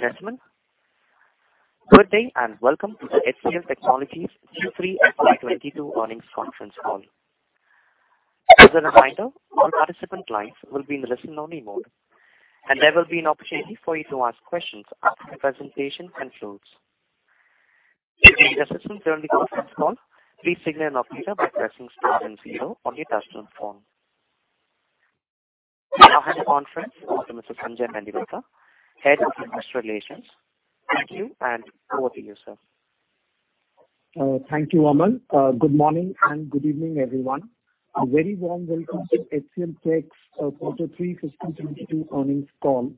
Ladies and gentlemen, good day, and welcome to the HCL Technologies Q3 FY 2022 earnings conference call. As a reminder, all participant lines will be in the listen-only mode, and there will be an opportunity for you to ask questions after the presentation concludes. If you need assistance during the course of the call, please signal an operator by pressing star then zero on your touchtone phone. We now have the conference over to Mr. Sanjay Mendiratta, Head of Investor Relations. Thank you, and over to you, sir. Thank you, Aman. Good morning and good evening, everyone. A very warm welcome to HCLTech's quarter three FY 2022 earnings call.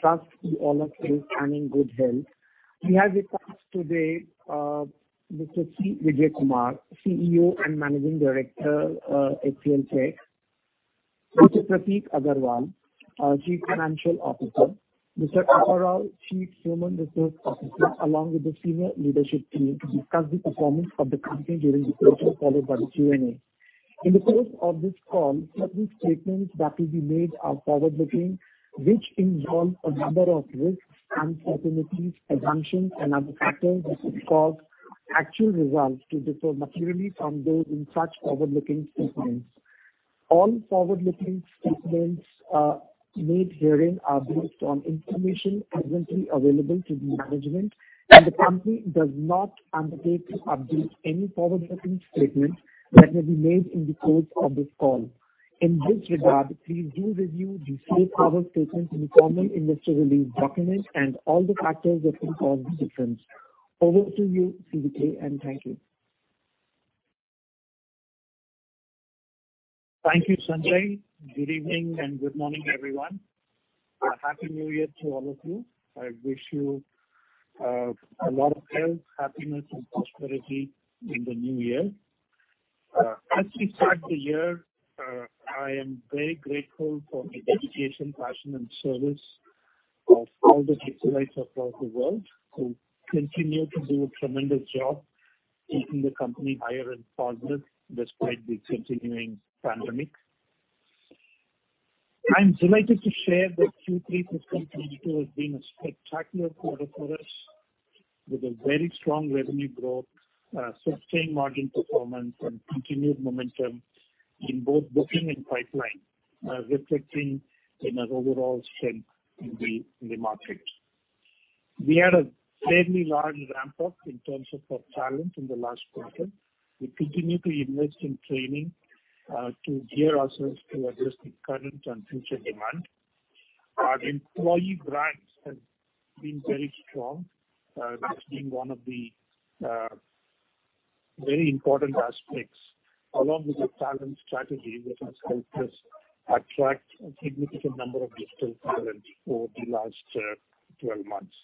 Trust you all are safe and in good health. We have with us today Mr. C. Vijayakumar, CEO and Managing Director, HCLTech. Mr. Prateek Aggarwal, our Chief Financial Officer. Mr. Appa Rao VV, Chief Human Resources Officer, along with the senior leadership team to discuss the performance of the company during the quarter, followed by the Q&A. In the course of this call, certain statements that will be made are forward-looking, which involve a number of risks, uncertainties, assumptions and other factors which could cause actual results to differ materially from those in such forward-looking statements. All forward-looking statements made herein are based on information currently available to the management, and the company does not undertake to update any forward-looking statement that may be made in the course of this call. In this regard, please do review the safe harbor statements in the common investor release document and all the factors that can cause difference. Over to you, CVK, and thank you. Thank you, Sanjay. Good evening and good morning, everyone. Happy New Year to all of you. I wish you a lot of health, happiness and prosperity in the new year. As we start the year, I am very grateful for the dedication, passion and service of all the HCLTech across the world who continue to do a tremendous job keeping the company high and positive despite the continuing pandemic. I'm delighted to share that Q3 2022 has been a spectacular quarter for us, with a very strong revenue growth, sustained margin performance and continued momentum in both booking and pipeline, reflecting in our overall strength in the market. We had a fairly large ramp-up in terms of our talent in the last quarter. We continue to invest in training to gear ourselves to address the current and future demand. Our employee brands have been very strong, that's been one of the very important aspects along with the talent strategy which has helped us attract a significant number of digital talent over the last 12 months.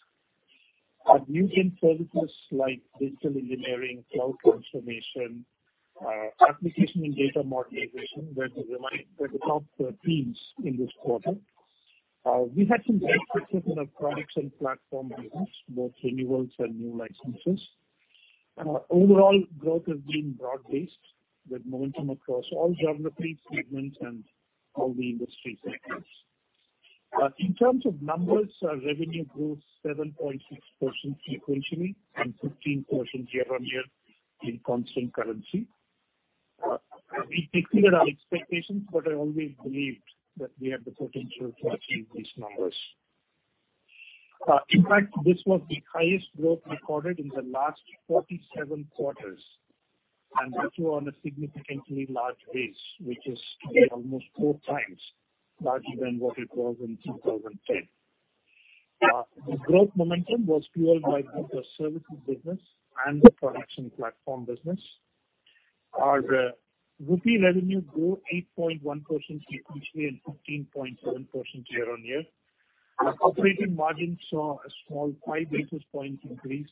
Our new services like digital engineering, cloud transformation, application and data modernization were the top themes in this quarter. We had some great success in our products and platform business, both renewals and new licenses. Our overall growth has been broad-based with momentum across all geographies, segments and all the industry sectors. In terms of numbers, our revenue grew 7.6% sequentially and 15% year-on-year in constant currency. We exceeded our expectations, but I always believed that we have the potential to achieve these numbers. In fact, this was the highest growth recorded in the last 47 quarters, and that too on a significantly large base, which is today almost four times larger than what it was in 2010. The growth momentum was fueled by both the services business and the products and platform business. Our INR revenue grew 8.1% sequentially and 15.7% year-on-year. Our operating margin saw a small five basis points increase,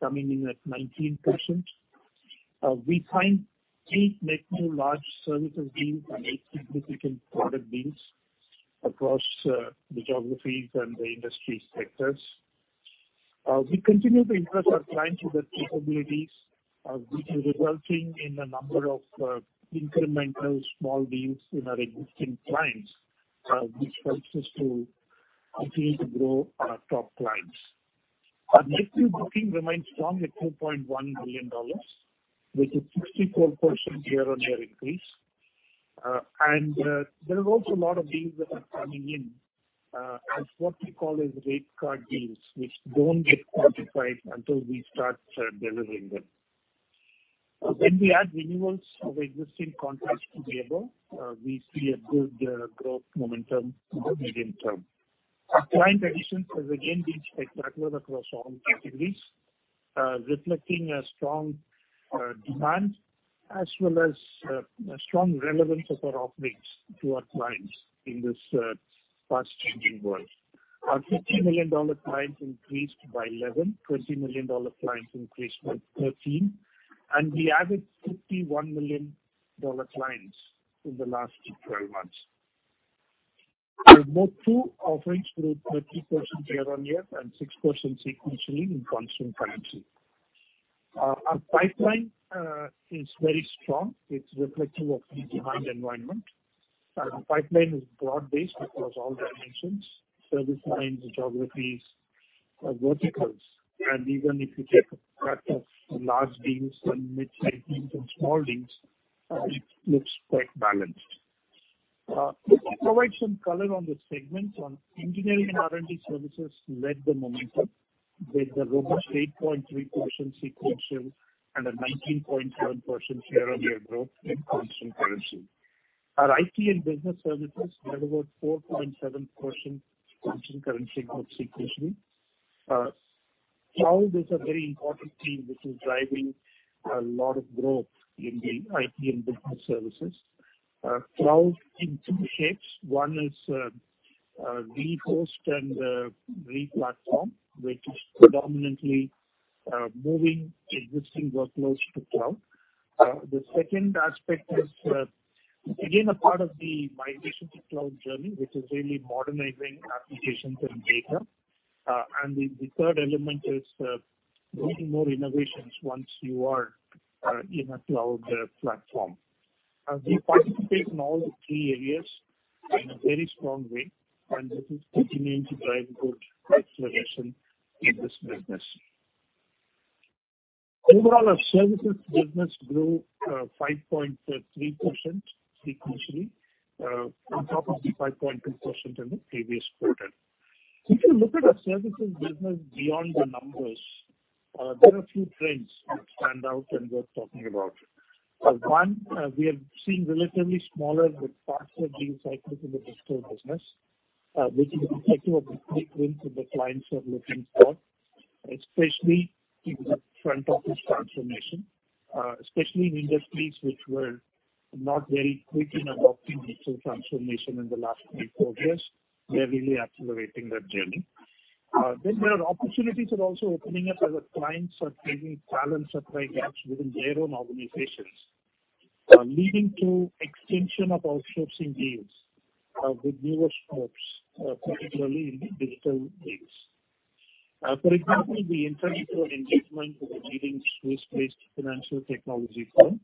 coming in at 19%. We signed eight net new large services deals and eight significant product deals across geographies and the industry sectors. We continue to invest in our clients with our capabilities, which is resulting in a number of incremental small deals in our existing clients, which helps us to continue to grow our top clients. Our net new booking remains strong at $2.1 billion, which is 54% year-on-year increase. There are also a lot of deals that are coming in, as what we call as rate card deals, which don't get quantified until we start, delivering them. When we add renewals of existing contracts to the above, we see a good, growth momentum in the medium term. Our client addition has again been spectacular across all categories, reflecting a strong, demand as well as, a strong relevance of our offerings to our clients in this, fast-changing world. Our $50 million clients increased by 11, $20 million clients increased by 13, and we added $51 million clients in the last 12 months. Our Mode 2 offerings grew 30% year-over-year and 6% sequentially in constant currency. Our pipeline is very strong. It's reflective of the demand environment. Our pipeline is broad-based across all dimensions, service lines, geographies, verticals. Even if you take a cut of large deals and mid-sized deals and small deals, it looks quite balanced. If we provide some color on the segments. On Engineering and R&D Services led the momentum with a robust 8.3% sequential and a 19.1% year-over-year growth in constant currency. Our IT and Business Services had about 4.7% constant currency growth sequentially. Cloud is a very important theme which is driving a lot of growth in the IT and Business Services. Cloud in two shapes. One is rehost and replatform, which is predominantly moving existing workloads to cloud. The second aspect is again a part of the migration to cloud journey, which is really modernizing applications and data. The third element is building more innovations once you are in a cloud platform. We participate in all the three areas in a very strong way, and this is continuing to drive good acceleration in this business. Overall, our services business grew 5.3% sequentially on top of the 5.2% in the previous quarter. If you look at our services business beyond the numbers, there are a few trends that stand out and worth talking about. We are seeing relatively smaller but faster deal cycles in the digital business, which is reflective of the quick wins that the clients are looking for, especially in the front office transformation. Especially in industries which were not very quick in adopting digital transformation in the last three quarters, we are really accelerating that journey. There are opportunities that are also opening up as our clients are filling talent supply gaps within their own organizations, leading to extension of outsourcing deals with newer scopes, particularly in the digital deals. For example, we entered into an engagement with a leading Swiss-based financial technology firm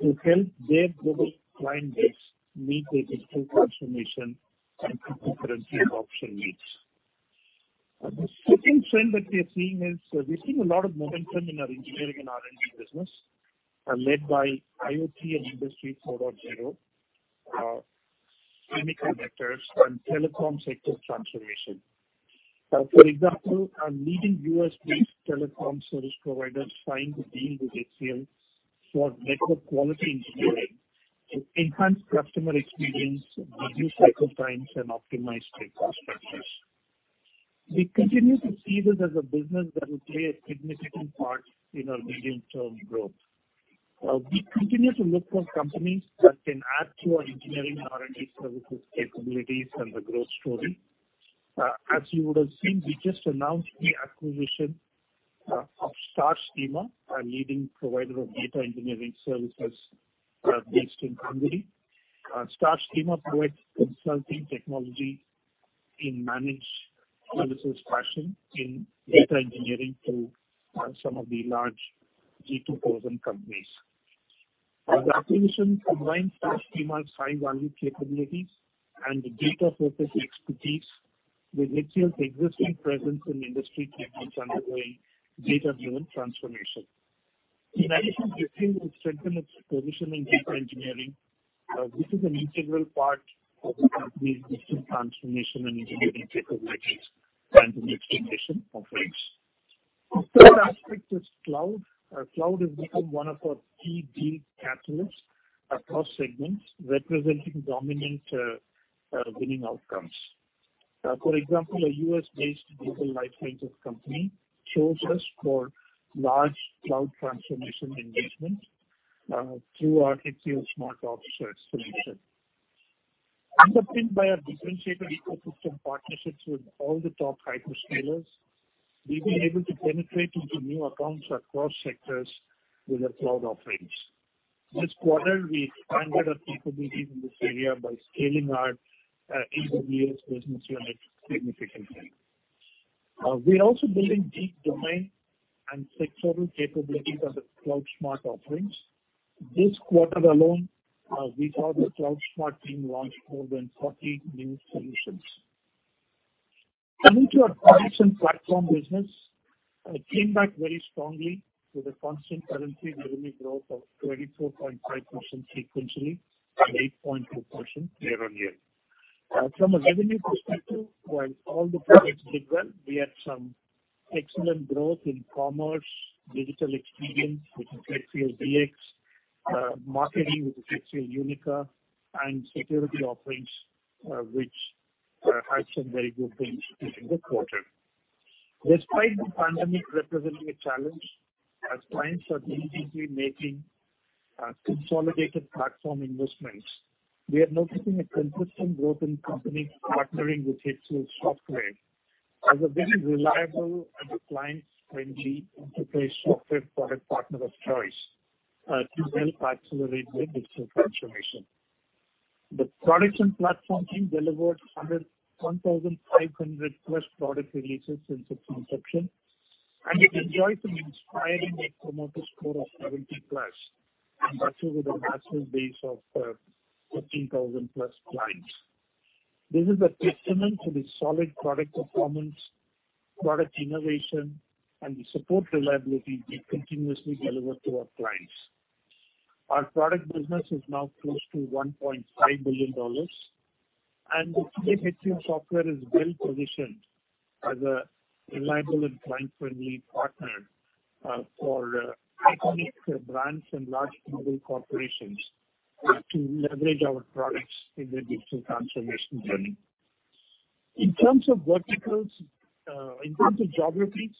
to help their global client base meet their digital transformation and cryptocurrency adoption needs. The second trend that we are seeing is we're seeing a lot of momentum in our Engineering and R&D business, led by IoT and Industry 4.0, semiconductors and telecom sector transformation. For example, a leading U.S.-based telecom service provider signed a deal with HCL for network quality engineering to enhance customer experience, reduce cycle times, and optimize CapEx structures. We continue to see this as a business that will play a significant part in our medium-term growth. We continue to look for companies that can add to our Engineering and R&D services capabilities and the growth story. As you would have seen, we just announced the acquisition of Starschema, a leading provider of data engineering services, based in Hungary. Starschema provides consulting technology in managed services fashion in data engineering to some of the large G2000 companies. The acquisition combines Starschema's high-value capabilities and data-focused expertise with HCL's existing presence in industry segments undergoing data-driven transformation. In addition, we feel it strengthens its position in data engineering, which is an integral part of the company's digital transformation and engineering capabilities and the extension offerings. The third aspect is cloud. Cloud has become one of our key deal catalysts across segments, representing dominant winning outcomes. For example, a U.S.-based global life sciences company chose us for large cloud transformation engagement through our CloudSMART solution. Underpinned by a differentiated ecosystem partnerships with all the top hyperscalers, we've been able to penetrate into new accounts across sectors with our cloud offerings. This quarter, we expanded our capabilities in this area by scaling our AWS business unit significantly. We are also building deep domain and sectoral capabilities as a CloudSMART offerings. This quarter alone, we saw the CloudSMART team launch more than 40 new solutions. Coming to our products and platforms business, it came back very strongly with a constant currency revenue growth of 24.5% sequentially and 8.2% year-on-year. From a revenue perspective, while all the products did well, we had some excellent growth in commerce, digital experience, which is HCL DX, marketing, which is HCL Unica, and security offerings, which had some very good wins during the quarter. Despite the pandemic representing a challenge, as clients are diligently making consolidated platform investments, we are noticing a consistent growth in companies partnering with HCLSoftware as a very reliable and a client-friendly enterprise software product partner of choice to help accelerate their digital transformation. The Products and Platforms team delivered 1,500+ product releases since its inception. It enjoyed an inspiring Net Promoter Score of 70+, and that too with a massive base of 13,000+ clients. This is a testament to the solid product performance, product innovation and the support reliability we continuously deliver to our clients. Our product business is now close to $1.5 billion. Today HCLSoftware is well positioned as a reliable and client-friendly partner for iconic brands and large global corporations to leverage our products in their digital transformation journey. In terms of geographies,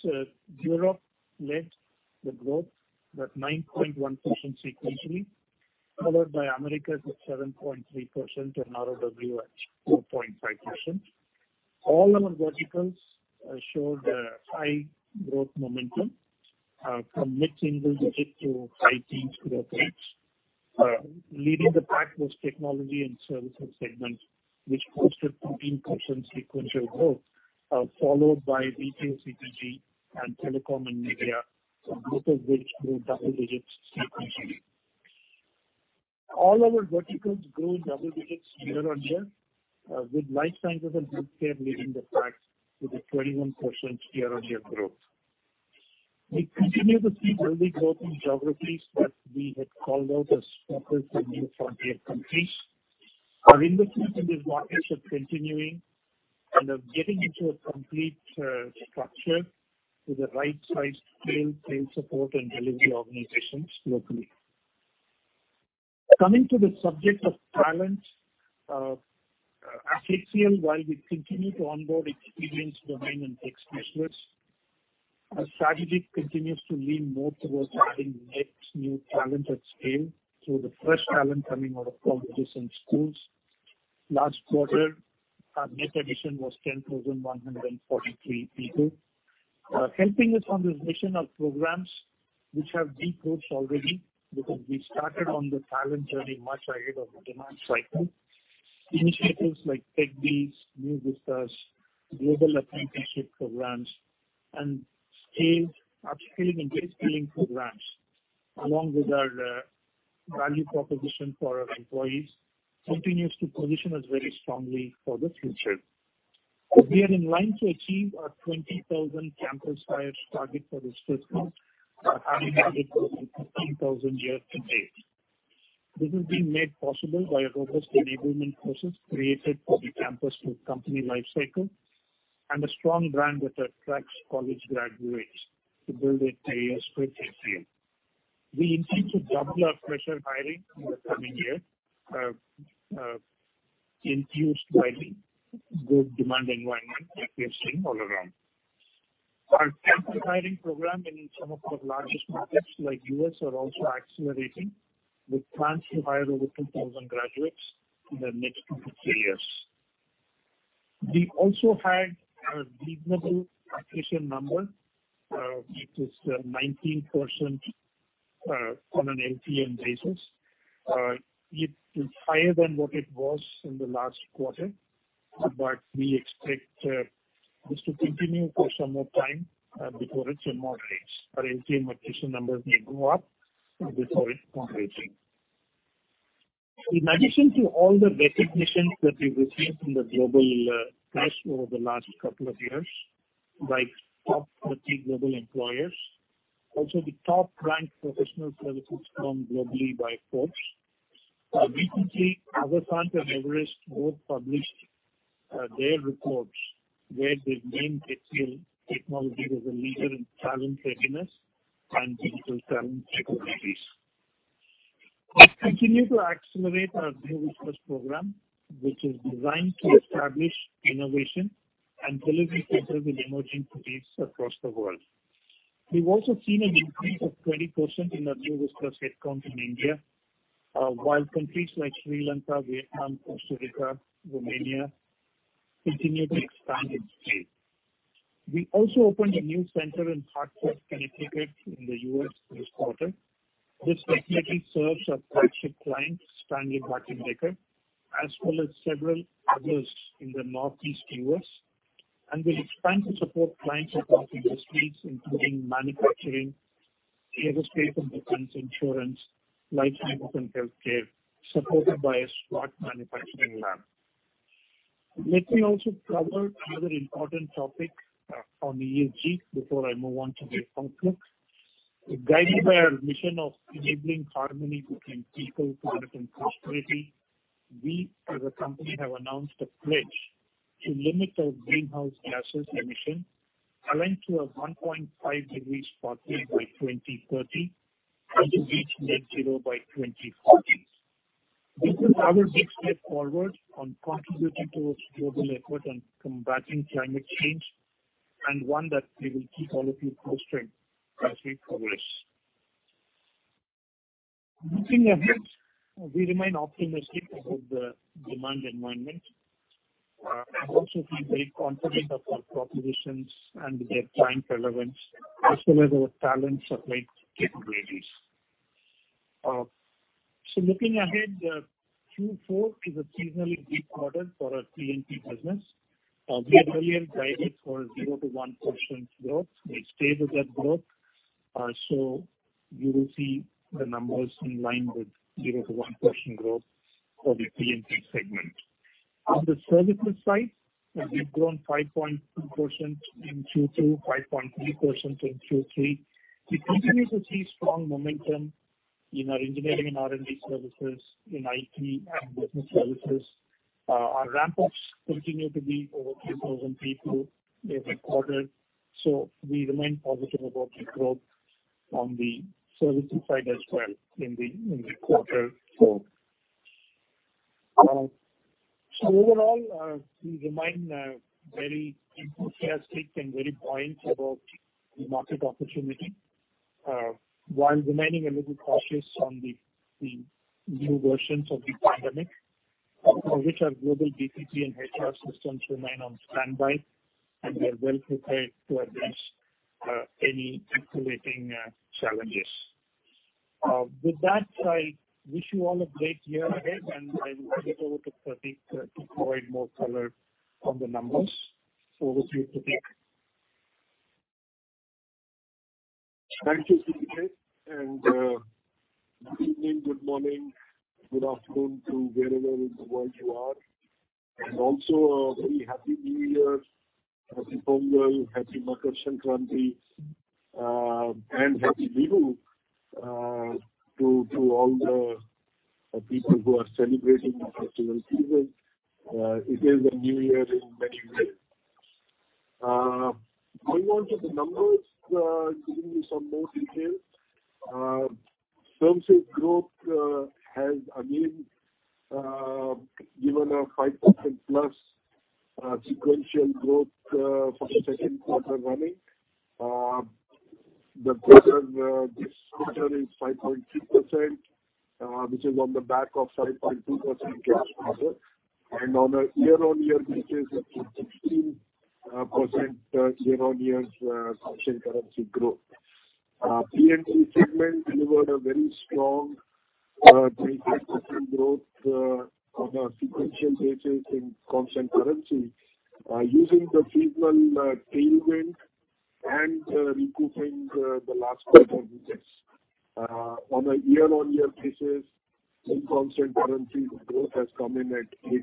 Europe led the growth with 9.1% sequentially, followed by Americas with 7.3% and ROW at 4.5%. All our verticals showed a high growth momentum from mid-single digit to high teens growth rates. Leading the pack was technology and services segment, which posted 13% sequential growth, followed by retail CPG and telecom and media, both of which grew double digits sequentially. All our verticals grew double digits year-on-year, with life sciences and healthcare leading the pack with a 21% year-on-year growth. We continue to see early growth in geographies that we had called out as focus in new frontier countries. Our investments in these markets are continuing and are getting into a complete structure with the right sized sales support and delivery organizations locally. Coming to the subject of talent at HCL, while we continue to onboard experienced domain and tech specialists, our strategy continues to lean more towards adding net new talent at scale through the fresh talent coming out of colleges and schools. Last quarter, our net addition was 10,143 people. Helping us on this mission are programs which have deep roots already because we started on the talent journey much ahead of the demand cycle. Initiatives like TechBee, New Vistas, Global Apprenticeship programs and scale-up skilling and reskilling programs, along with our value proposition for our employees, continues to position us very strongly for the future. We are in line to achieve our 20,000 campus hires target for this fiscal by having added more than 15,000 year-to-date. This has been made possible by a robust enablement process created for the campus to company life cycle and a strong brand that attracts college graduates to build a career with HCL. We intend to double our fresher hiring in the coming year, infused by the good demand environment that we are seeing all around. Our campus hiring program in some of our largest markets like U.S. are also accelerating, with plans to hire over 2,000 graduates in the next two-three years. We also had a reasonable attrition number, which is 19%, on an LTM basis. It is higher than what it was in the last quarter, but we expect this to continue for some more time before it moderates. Our LTM attrition numbers may go up before it moderates. In addition to all the recognitions that we've received from the global press over the last couple of years, like top 30 global employers, also the top-ranked professional services firm globally by Forbes. Recently, Avasant and Everest both published their reports where they've named HCL Technologies as a leader in talent readiness and digital talent capabilities. We continue to accelerate our New Vistas program, which is designed to establish innovation and delivery centers in emerging cities across the world. We've also seen an increase of 20% in our New Vistas headcounts in India, while countries like Sri Lanka, Vietnam, Costa Rica, Romania continue to expand at scale. We also opened a new center in Hartford, Connecticut in the U.S. this quarter, which primarily serves our flagship client, Stanley Black & Decker, as well as several others in the Northeast U.S. We expand to support clients across industries, including manufacturing, aerospace and defense, insurance, life sciences and healthcare, supported by a smart manufacturing lab. Let me also cover another important topic on ESG before I move on to the outlook. Guided by our mission of enabling harmony between people, planet and prosperity, we as a company have announced a pledge to limit our greenhouse gases emission, aligned to a 1.5 degrees pathway by 2030 and to reach net zero by 2040. This is our big step forward on contributing towards global effort on combating climate change and one that we will keep all of you posted as we progress. Looking ahead, we remain optimistic about the demand environment. I also feel very confident about our propositions and their time relevance, as well as our talent supply capabilities. Looking ahead, Q4 is a seasonally weak quarter for our P&P business. We had earlier guided for 0%-1% growth. We stayed with that growth. You will see the numbers in line with 0%-1% growth for the P&P segment. On the services side, we've grown 5.2% in Q2, 5.3% in Q3. We continue to see strong momentum in our Engineering and R&D Services, in IT and Business Services. Our ramp-ups continue to be over 3,000 people every quarter. We remain positive about the growth on the services side as well in the quarter four. Overall, we remain very enthusiastic and very buoyant about the market opportunity, while remaining a little cautious on the new variants of the pandemic, for which our global BCP and HR systems remain on standby, and we are well prepared to address any activating challenges. With that, I wish you all a great year ahead, and I'll hand it over to Prateek to provide more color on the numbers. Over to you, Prateek. Thank you, CVK. Good evening, good morning, good afternoon to wherever in the world you are. Also a very Happy New Year, happy Pongal, happy Makar Sankranti, and Happy New Year to all the people who are celebrating the festival season. It is a new year in many ways. Moving on to the numbers, giving you some more details. Firm sales growth has again given a 5%+ sequential growth for the second quarter running. The growth of this quarter is 5.3%, which is on the back of 5.2% last quarter. On a year-on-year basis, it's 16% year-on-year constant currency growth. Our P&P segment delivered a very strong, 25% growth on a sequential basis in constant currency, using the seasonal tailwind and recouping the last quarter business. On a year-on-year basis in constant currency, growth has come in at 8.2%.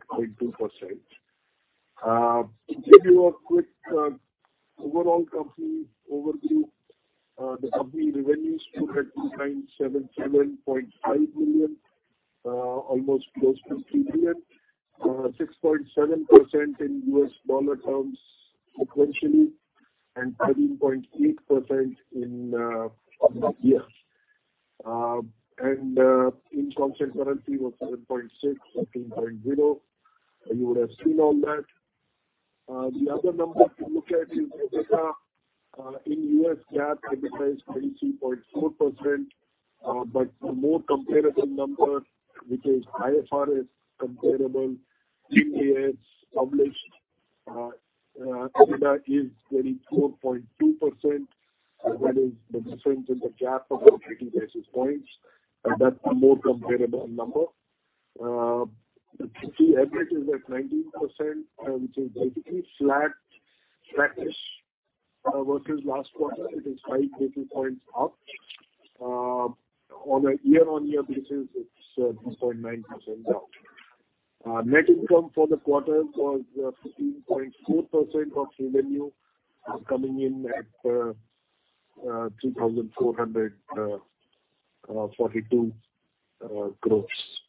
To give you a quick overall company overview, the company revenues stood at $2.775 billion, almost close to $3 billion. 6.7% in US dollar terms sequentially and 13.8% on the year. In constant currency was 7.6%, 14.0%. You would have seen all that. The other number to look at is EBITDA. In U.S. GAAP, EBITDA is 32.4%. The more comparable number, which is IFRS comparable EPS published, EBITDA is 34.2%. That is the difference in the GAAP of only 50 basis points, and that's a more comparable number. EBITDA is at 19%, which is basically flat, flattish, versus last quarter. It is five basis points up. On a year-on-year basis, it's 2.9% up. Net income for the quarter was 15.4% of revenue, coming in at INR 2,442 crores.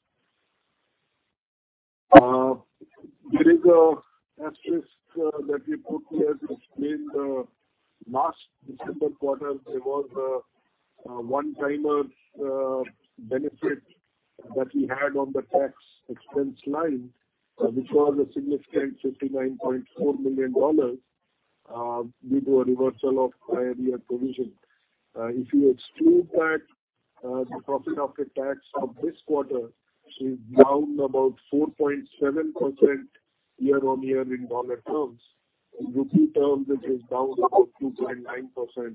There is an asterisk that we put here to explain the last December quarter; there was a one-timer benefit that we had on the tax expense line, which was a significant $59.4 million, due to a reversal of prior year provision. If you exclude that, the profit after tax of this quarter is down about 4.7% year-on-year in dollar terms. In rupee terms, it is down about 2.9%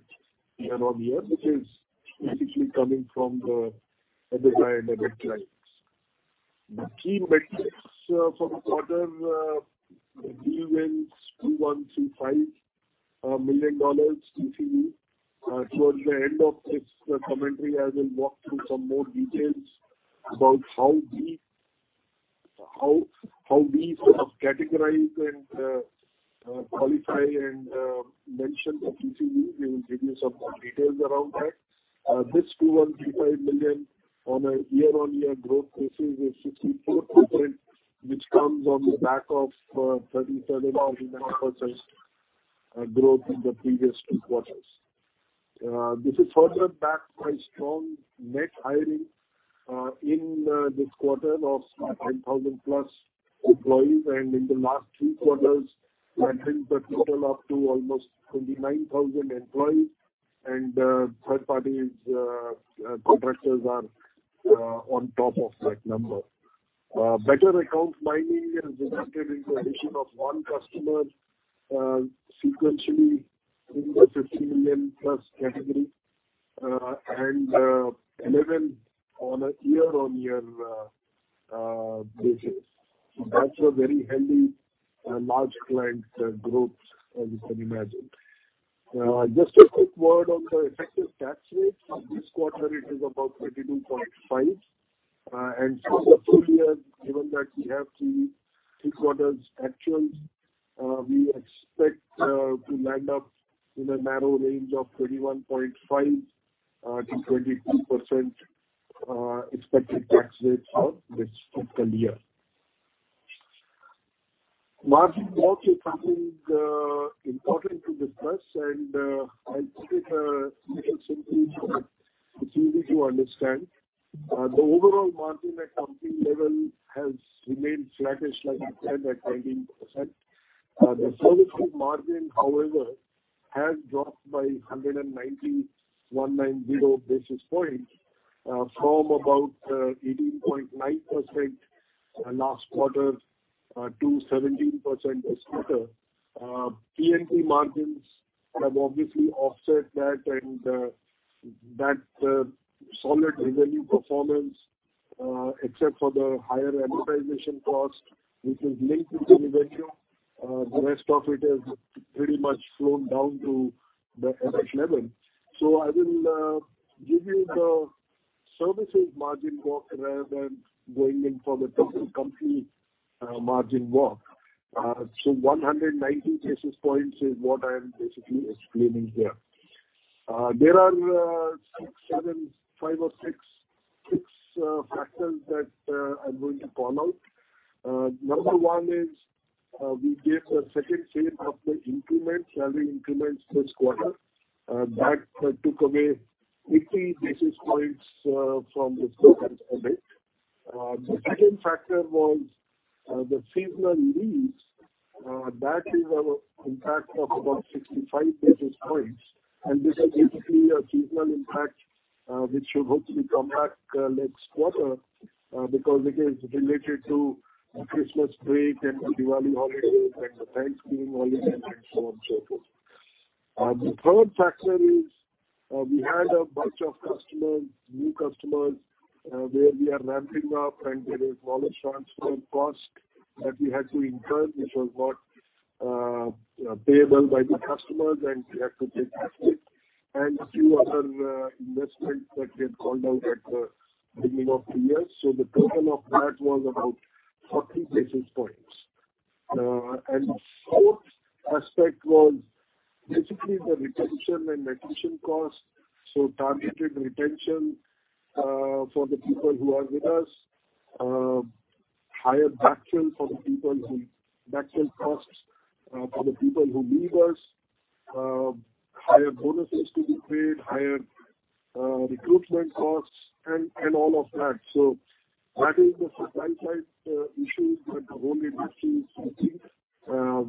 year-on-year, which is basically coming from the other lines. The key metrics for the quarter, deal wins $2,135 million TCV. Towards the end of this commentary, I will walk through some more details about how we sort of categorize and qualify and mention the TCV. We will give you some more details around that. This $2.135 billion on a year-on-year growth basis is 54%, which comes on the back of 37.5% growth in the previous two quarters. This is further backed by strong net hiring in this quarter of 5,000+ employees. In the last two quarters, we have brings that total up to almost 29,000 employees. Third-party contractors are on top of that number. Better account mining has resulted in the addition of one customer sequentially in the $50+ million category and 11 on a year-on-year basis. That's a very healthy large client group, as you can imagine. Just a quick word on the effective tax rate. For this quarter it is about 22.5%. For the full year, given that we have three quarters actual, we expect to land up in a narrow range of 21.5%-22% expected tax rate for this fiscal year. Margin walk, I think, important to discuss and I'll keep it real simple so that it's easy to understand. The overall margin at company level has remained flattish like we planned at 19%. The services margin, however, has dropped by 190 basis points from about 18.9% last quarter to 17% this quarter. P&P margins have obviously offset that and that solid revenue performance, except for the higher amortization cost, which is linked to the revenue, the rest of it has pretty much flown down to the EBITDA level. I will give you the services margin walk rather than going in for the total company margin walk. 190 basis points is what I am basically explaining here. There are six or seven factors that I'm going to call out. Number one is we gave a second set of the increments, salary increments this quarter. That took away 50 basis points from this quarter's profit. The second factor was the seasonal leaves. That is an impact of about 65 basis points. This is basically a seasonal impact which should hopefully come back next quarter because it is related to the Christmas break and the Diwali holiday and the Thanksgiving holiday and so on, so forth. The third factor is, we had a bunch of customers, new customers, where we are ramping up and there is knowledge transfer cost that we had to incur, which was not payable by the customers and we have to take that hit. A few other investments that we had called out at the beginning of the year. The total of that was about 40 basis points. The fourth aspect was basically the retention and attrition costs, targeted retention for the people who are with us. Higher backfill costs for the people who leave us. Higher bonuses to be paid, higher recruitment costs and all of that. That is the supply side issues that the whole industry is facing,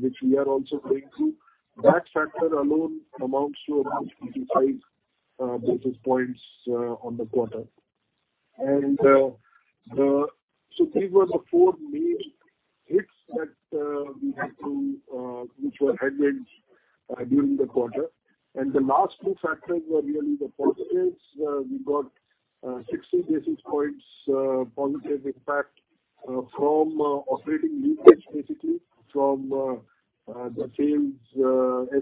which we are also going through. That factor alone amounts to around 55 basis points on the quarter. So these were the four main hits that we had, which were headwinds during the quarter. The last two factors were really the positives. We got 60 basis points positive impact from operating leverage, basically from the sales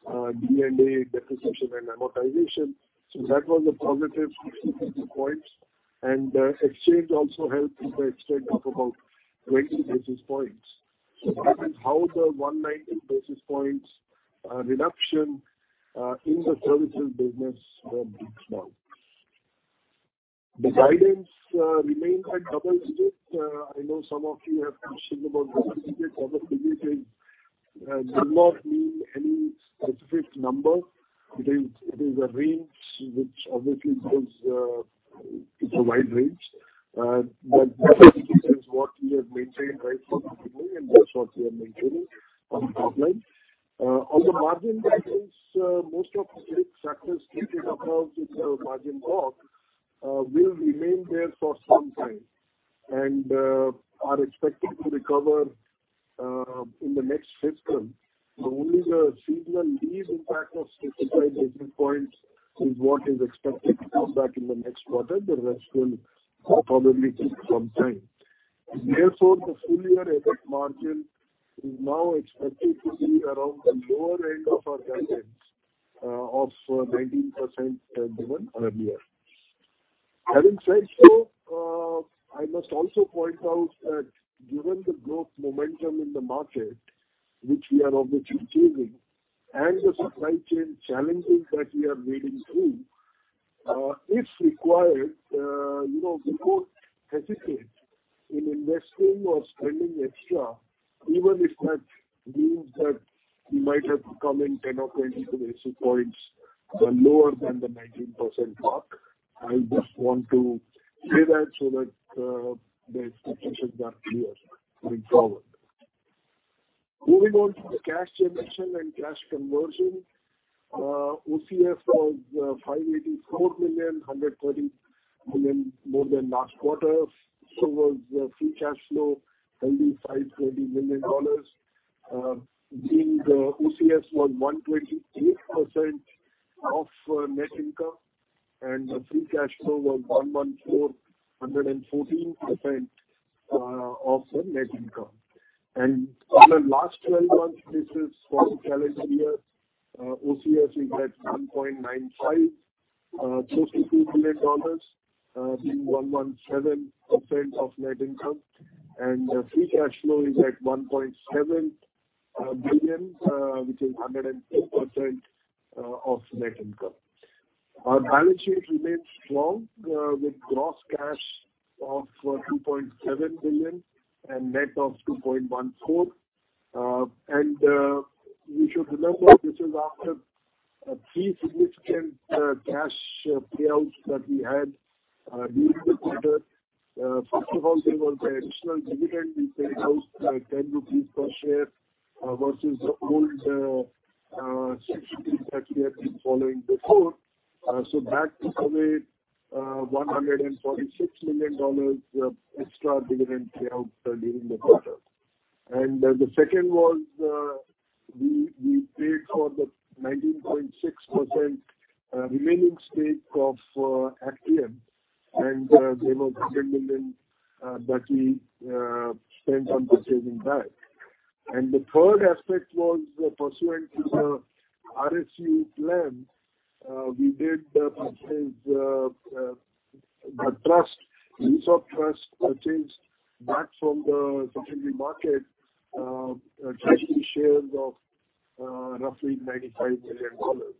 SG&A, sales, general, and admin D&A, depreciation and amortization. So that was a positive 60 basis points. Exchange also helped to the extent of about 20 basis points. So that is how the 190 basis points reduction in the services business breaks down. The guidance remains at double digit. I know some of you have questioned about double digit. Double digit does not mean any specific number. It is a range which obviously gives, it's a wide range. But double digit is what we have maintained right from the beginning, and that's what we are maintaining on the top line. On the margin guidance, most of the six factors stated above which are margin walk will remain there for some time and are expected to recover in the next fiscal. Only the seasonal leave impact of 65 basis points is what is expected to come back in the next quarter. The rest will probably take some time. Therefore, the full year EBITDA margin is now expected to be around the lower end of our guidance of 19% given earlier. Having said so, I must also point out that given the growth momentum in the market, which we are obviously seeing, and the supply chain challenges that we are wading through, if required, you know, we won't hesitate in investing or spending extra, even if that means that we might have to come in 10 or 20 basis points lower than the 19% mark. I just want to say that so that the expectations are clear moving forward. Moving on to the cash generation and cash conversion. OCF was $584 million, $130 million more than last quarter. So was the free cash flow, $252 million. Being the OCF was 128% of net income and the free cash flow was 114% of the net income. On the last 12 months, this is for the calendar year, OCF is at $1.95 billion, close to $2 billion, being 117% of net income. Free cash flow is at $1.7 billion, which is 104% of net income. Our balance sheet remains strong, with gross cash of $2.7 billion and net of $2.14 billion. You should remember this is after three significant cash payouts that we had during the quarter. First of all, there was the additional dividend we paid out, 10 rupees per share, versus the old INR 6 that we have been following before. That took away $146 million of extra dividend payout during the quarter. The second was we paid for the 19.6% remaining stake of Actian. There was $1 million that we spent on purchasing that. The third aspect was pursuant to the RSU plan, we used the trust to purchase back from the secondary market treasury shares of roughly $95 million.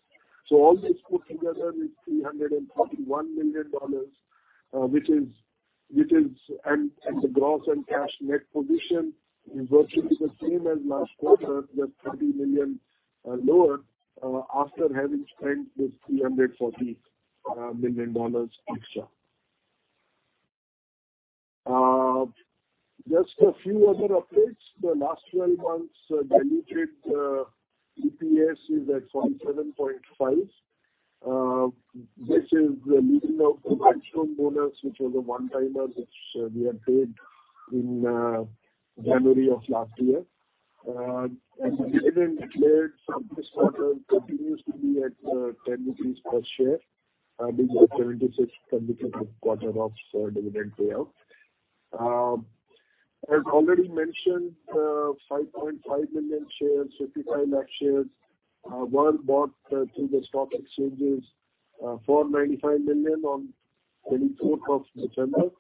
All this put together is $341 million, which is the gross and net cash position is virtually the same as last quarter, just $30 million lower after having spent this $340 million extra. Just a few other updates. The last 12 months diluted EPS is at 47.5. This is leaving out the milestone bonus, which was a one-timer which we had paid in January of last year. As you know, dividend declared for this quarter continues to be at 10 rupees per share. This is the 26th consecutive quarter of dividend payout. As already mentioned, 5.5 million shares, 55 lakh shares, were bought through the stock exchanges for 95 million on 24th of December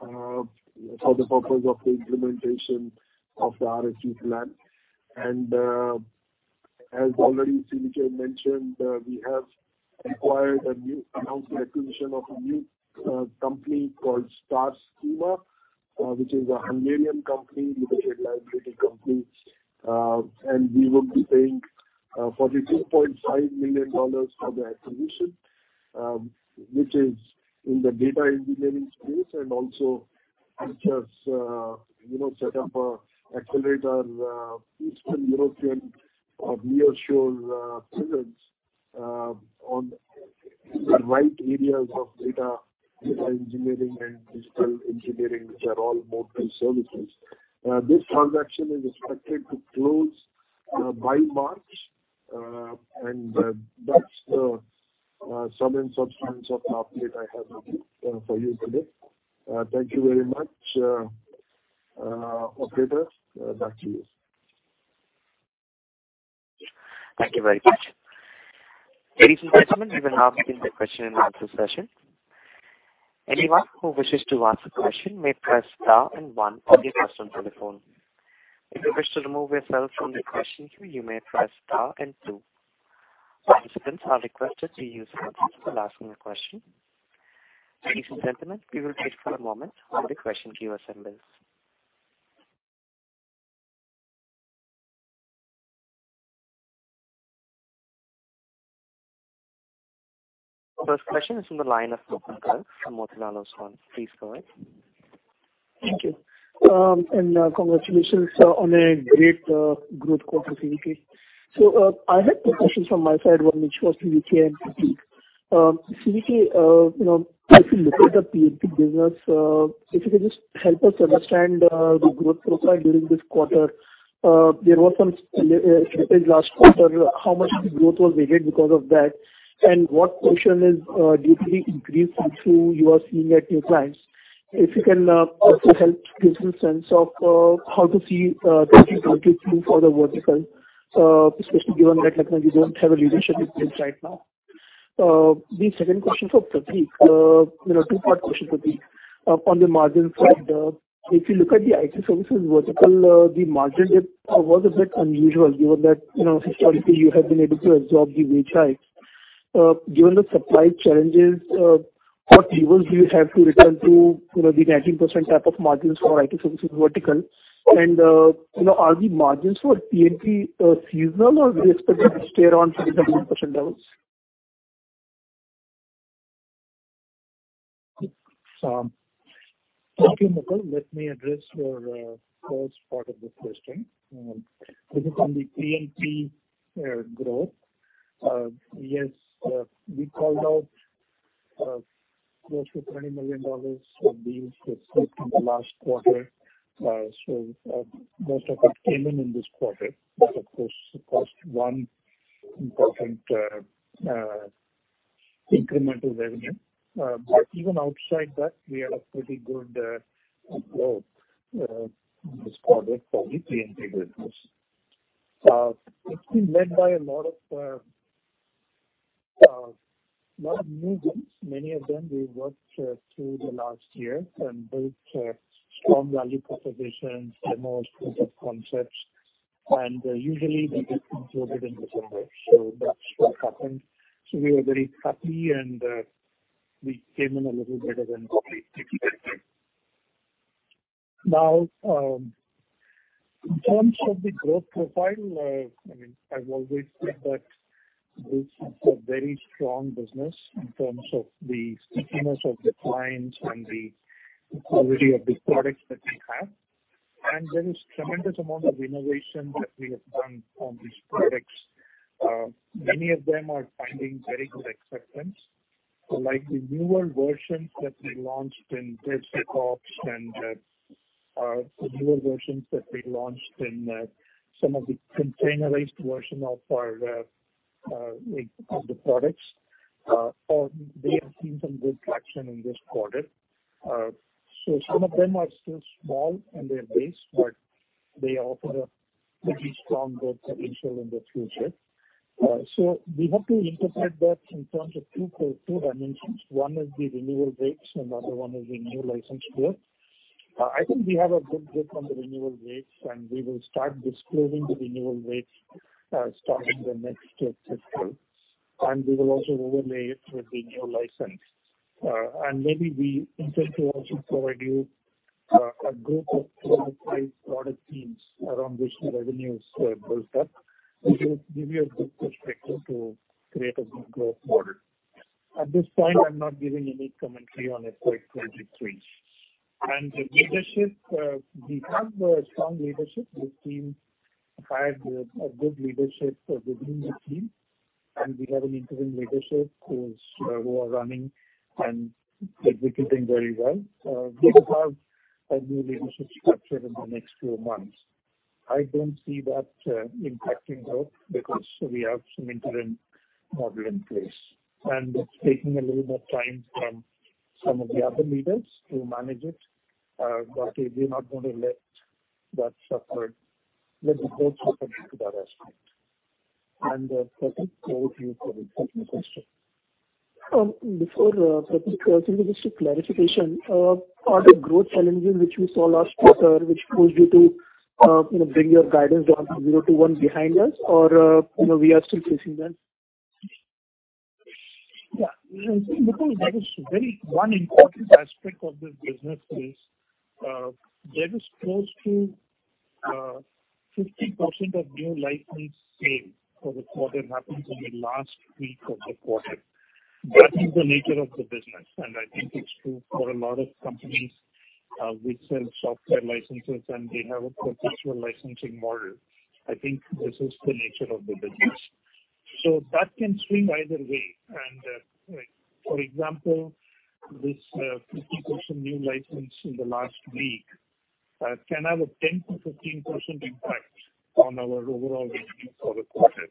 for the purpose of the implementation of the RSU plan. As already CVK mentioned, we announced the acquisition of a new company called Starschema, which is a Hungarian limited liability company. We will be paying $42.5 million for the acquisition, which is in the data engineering space and also helps, you know, set up an accelerator, Eastern European or nearshore, presence, on the right areas of data engineering and digital engineering, which are all multiple services. This transaction is expected to close by March. That's the sum and substance of the update I have with you for you today. Thank you very much. Operators, back to you. Thank you very much. Ladies and gentlemen, we will now begin the question and answer session. Anyone who wishes to ask a question may press star and one on your customer telephone. If you wish to remove yourself from the question queue, you may press star and two. Participants are requested to use mute while asking a question. Ladies and gentlemen, we will take a moment while the question queue assembles. First question is from the line of Mukul Garg from Motilal Oswal. Please go ahead. Thank you. Congratulations on a great growth quarter, CVK. I have two questions from my side, one which was to CVK and Prateek. CVK, you know, if you look at the P&P business, if you could just help us understand the growth profile during this quarter. There was some spillage last quarter. How much of the growth was weighted because of that? And what portion is due to the increase in throughput you are seeing at new clients? If you can also help give some sense of how we see 2022 for the vertical, especially given that like now you don't have a leadership in place right now. The second question for Prateek, you know, two-part question, Prateek. On the margin front, if you look at the IT services vertical, the margin dip was a bit unusual given that, you know, historically you have been able to absorb the wage hikes. Given the supply challenges, what levels do you have to return to, you know, the 19% type of margins for IT services vertical? You know, are the margins for P&P seasonal, or do you expect them to stay around 30%-40% levels? Okay, Mukul Garg, let me address your first part of the question. This is on the P&P growth. Yes, we called out close to $20 million of deals that slipped in the last quarter. Most of it came in this quarter. That, of course, one important incremental revenue. But even outside that, we had a pretty good growth this quarter for the P&P business. It's been led by a lot of new wins. Many of them we worked through the last year and built strong value propositions, demos, proof of concepts, and usually they get included in December. That's what happened. We are very happy and we came in a little better than expected. Now, in terms of the growth profile, I mean, I've always said that this is a very strong business in terms of the stickiness of the clients and the quality of the products that we have. There is tremendous amount of innovation that we have done on these products. Many of them are finding very good acceptance. Like the newer versions that we launched in DevSecOps and the newer versions that we launched in some of the containerized version of our products, they have seen some good traction in this quarter. Some of them are still small in their base, but they offer a pretty strong growth potential in the future. We have to interpret that in terms of two dimensions. One is the renewal rates, another one is the new license growth. I think we have a good grip on the renewal rates, and we will start disclosing the renewal rates starting the next fiscal. We will also overlay it with the new license. Maybe we intend to also provide you a group of three or five product teams around which the revenue is built up, which will give you a good perspective to create a good growth model. At this point, I'm not giving any commentary on FY 2023. The leadership, we have a strong leadership. This team had a good leadership within the team, and we have an interim leadership who are running and executing very well. We will have a new leadership structure in the next few months. I don't see that impacting growth because we have some interim model in place. It's taking a little more time from some of the other leaders to manage it, but we're not gonna let that suffer, let the growth suffer because of that aspect. Prateek, over to you for the second question. Before, Prateek, simply just a clarification. Are the growth challenges which you saw last quarter, which caused you to, you know, bring your guidance down from 0% to 1% behind us or, you know, we are still facing them? Yeah. You see, Mukul Garg, that is very. One important aspect of this business is, there is close to 50% of new license sales for the quarter happens in the last week of the quarter. That is the nature of the business, and I think it's true for a lot of companies, which sell software licenses, and they have a perpetual licensing model. I think this is the nature of the business. That can swing either way. Like for example, this, fifty percent new license in the last week, can have a 10%-15% impact on our overall revenue for the quarter.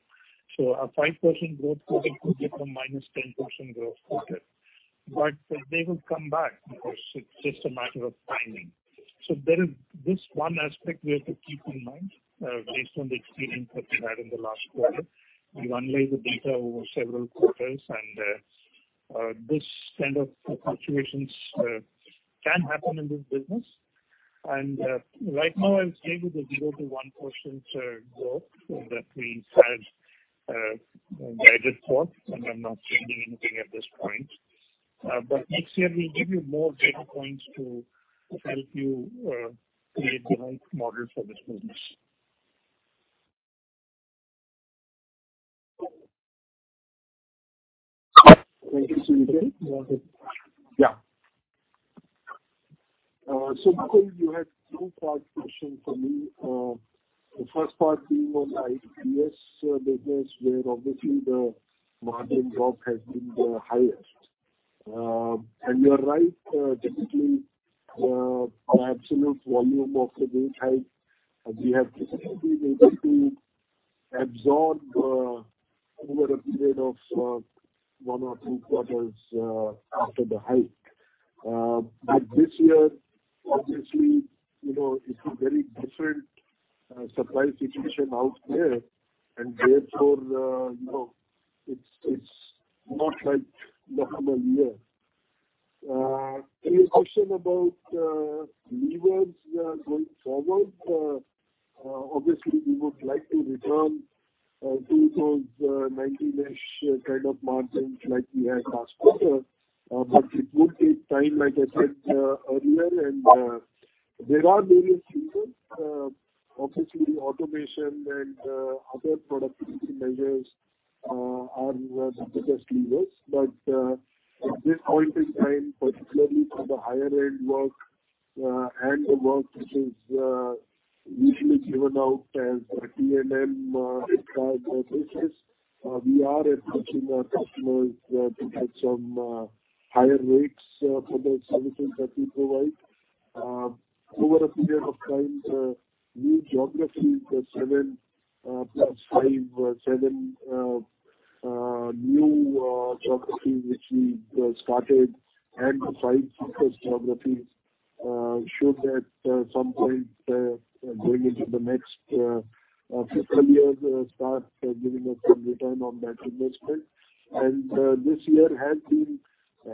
A 5% growth quarter could become -10% growth quarter. They will come back because it's just a matter of timing. There is this one aspect we have to keep in mind, based on the experience that we had in the last quarter. We've analyzed the data over several quarters and this kind of situations can happen in this business. Right now I'm staying with the 0%-1% growth that we had guided for, and I'm not changing anything at this point. Next year we'll give you more data points to help you create the right model for this business. Thank you, CVK. Yeah. Mukul, you had a two-part question for me. The first part being on ITBS business where obviously the margin drop has been the highest. You're right, typically, absolute volume of the rate hike, we have typically been able to absorb, over a period of one or two quarters, after the hike. This year obviously, you know, it's a very different supply situation out there, and therefore, you know, it's not like normal year. Your question about levers going forward, obviously we would like to return to those 19-ish kind of margins like we had last quarter. It would take time, like I said earlier. There are various levers. Obviously automation and other productivity measures are the biggest levers. At this point in time, particularly for the higher end work, and the work which is usually given out as a T&M type of business, we are approaching our customers to get some higher rates for the services that we provide. Over a period of time, the new geographies, the seven plus five new geographies which we started and the five focus geographies should at some point going into the next fiscal year start giving us some return on that investment. This year has been,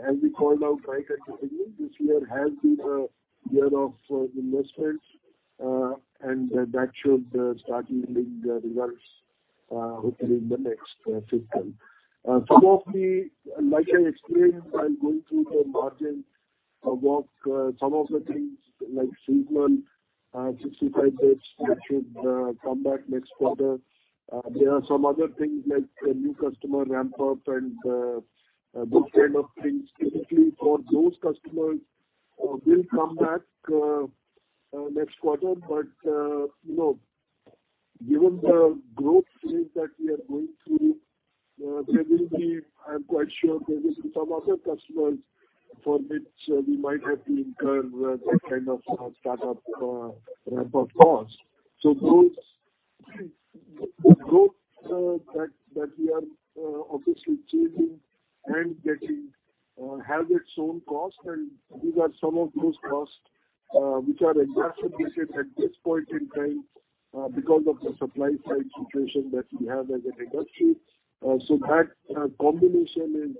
as we called out right at the beginning, a year of investments, and that should start yielding the results hopefully in the next fiscal. Some of the. Like I explained while going through the margin of what some of the things like seasonal 65 days should come back next quarter. There are some other things like the new customer ramp-up and those kind of things typically for those customers will come back next quarter. You know, given the growth phase that we are going through, I'm quite sure there will be some other customers for which we might have to incur that kind of startup ramp-up cost. Growth that we are obviously chasing and getting has its own cost. These are some of those costs which are exacerbated at this point in time because of the supply side situation that we have as an industry. That combination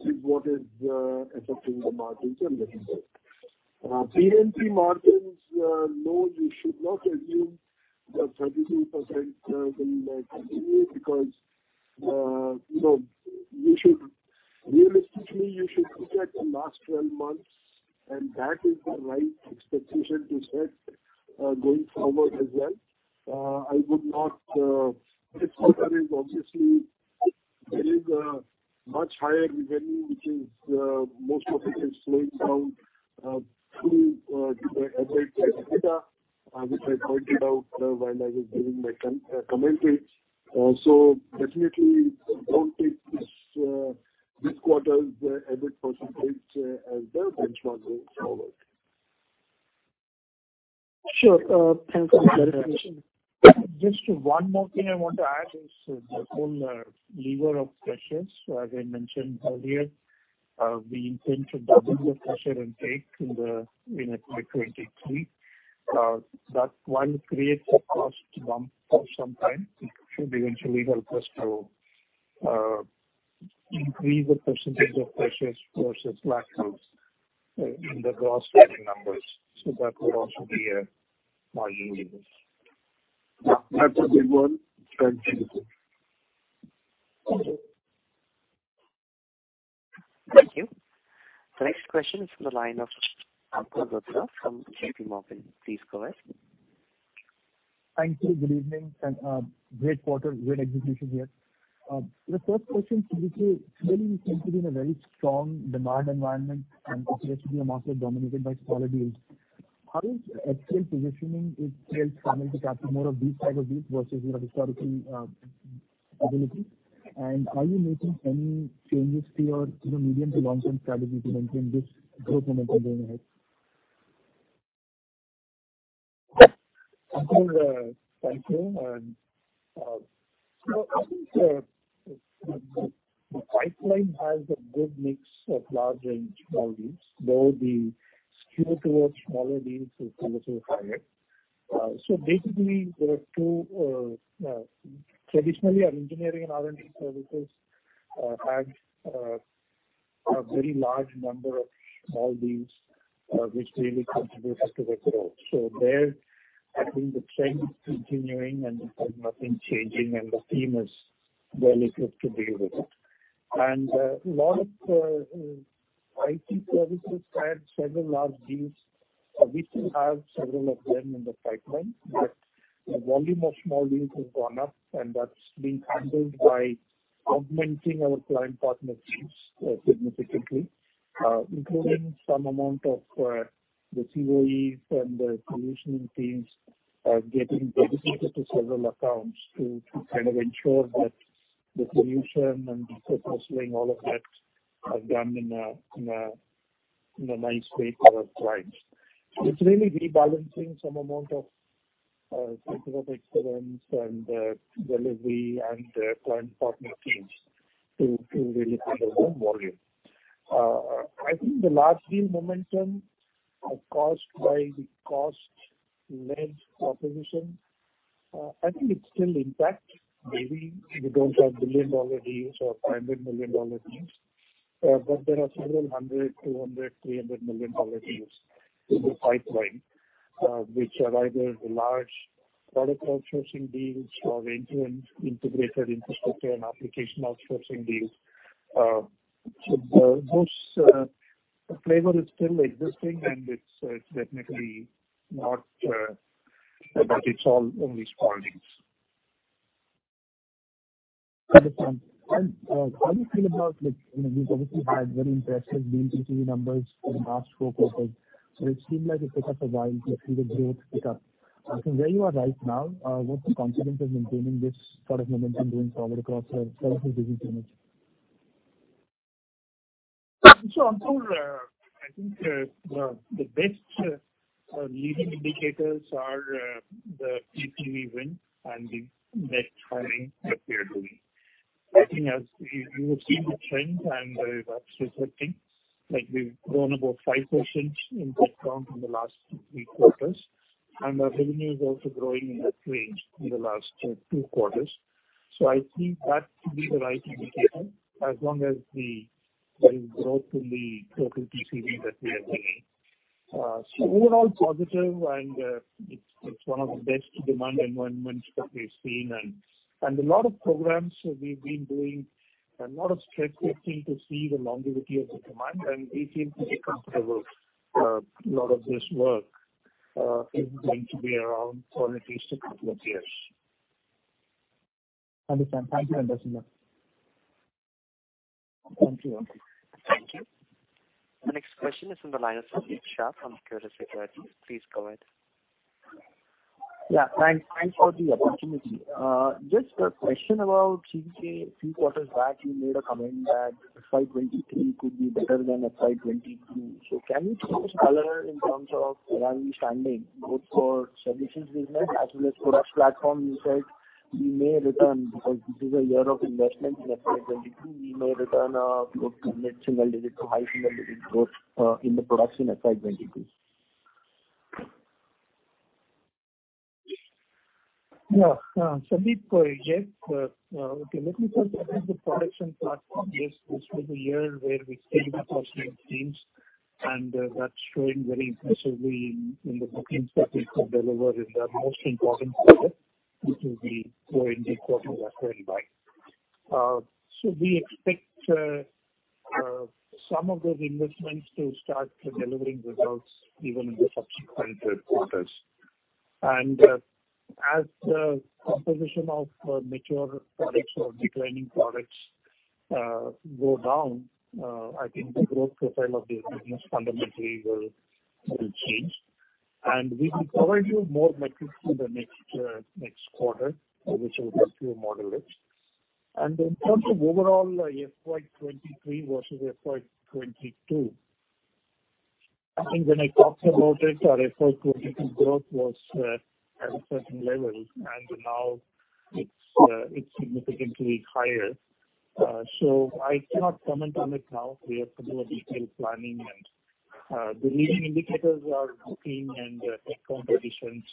is what is affecting the margins and the results. P&P margins, no, you should not assume the 32% will continue because, you know, you should realistically look at the last 12 months, and that is the right expectation to set going forward as well. I would not, this quarter is obviously getting a much higher revenue, which is, most of it is slowing down through the EBITDA, which I pointed out while I was giving my commentary. Definitely don't take this quarter's EBITDA percentage as the benchmark going forward. Sure. Thanks for the clarification. Just one more thing I want to add is the whole lever of freshers. As I mentioned earlier, we intend to double the fresher intake in 2023. That'll create a cost bump for some time. It should eventually help us to increase the percentage of freshers versus platforms in the gross revenue numbers. That would also be a margin lever. That's a good one. Thanks, Prateek. Thank you. The next question is from the line of Ankur Rudra from JPMorgan. Please go ahead. Thank you. Good evening, and great quarter, great execution here. The first question to CVK, clearly we continue in a very strong demand environment, and it continues to be a market dominated by smaller deals. How is HCL positioning itself to capture more of these type of deals versus your historical ability? And are you making any changes to your, you know, medium to long-term strategy to maintain this growth momentum going ahead? Ankur, thank you. I think the pipeline has a good mix of large and small deals, though the skew towards smaller deals is a little higher. Traditionally, our Engineering and R&D Services have a very large number of small deals, which really contributes to the growth. I think the trend is continuing and there's nothing changing, and the team is well equipped to deal with it. A lot of IT services had several large deals. We still have several of them in the pipeline. The volume of small deals has gone up, and that's being handled by augmenting our client partner teams, significantly, including some amount of, the CoEs and the solutioning teams are getting dedicated to several accounts to kind of ensure that the solution and the handholding, all of that are done in a nice way for our clients. It's really rebalancing some amount of, center of excellence and, delivery and, client partner teams to really handle more volume. I think the large deal momentum are caused by the cost-led proposition. I think it's still intact. Maybe we don't have billion-dollar deals or $500 million deals. There are several $200 million-$300 million deals in the pipeline, which are either the large product outsourcing deals or end-to-end integrated infrastructure and application outsourcing deals. The hosted flavor is still existing and it's technically not. It's all only small things. understand. How do you feel about, like, you know, we've obviously had very impressive TCV numbers for the last four quarters. It seems like it took us a while to see the growth pick up. From where you are right now, what's the confidence of maintaining this sort of momentum going forward across the services business? Until I think the best leading indicators are the TCV win and the net hiring that we are doing. I think as you will see the trend and that's reflecting. Like, we've grown about 5% in net new in the last three quarters, and our revenue is also growing in that range in the last two quarters. I think that could be the right indicator as long as there is growth in the total TCV that we are doing. Overall positive and it's one of the best demand environments that we've seen. A lot of programs we've been doing, a lot of stress testing to see the longevity of the demand, and we seem to be comfortable. A lot of this work is going to be around for at least a couple of years. Understand. Thank you, CVK. Thank you. Thank you. The next question is from the line of Sandeep Shah from Equirus Securities. Please go ahead. Yeah, thanks. Thanks for the opportunity. Just a question about CVK. A few quarters back, you made a comment that FY 2023 could be better than FY 2022. Can you give us color in terms of where we are standing both for services business as well as Products and Platforms? You said you may return because this is a year of investment in FY 2022. We may return to high single-digit growth in the Products and Platforms in FY 2022. Sandeep, yes. Okay, let me first address the Products and Platforms. This was a year where we scaled up our sales teams, and that's showing very impressively in the bookings that we could deliver in the most important quarter, which will be growing in the quarters that followed. We expect some of those investments to start delivering results even in the subsequent quarters. As the composition of mature products or declining products go down, I think the growth profile of the business fundamentally will change. We will provide you more metrics in the next quarter, which will help you model it. In terms of overall, FY 2023 versus FY 2022, I think when I talked about it, our FY 2022 growth was at a certain level, and now it's significantly higher. I cannot comment on it now. We have to do a detailed planning and the leading indicators are booking and net new additions,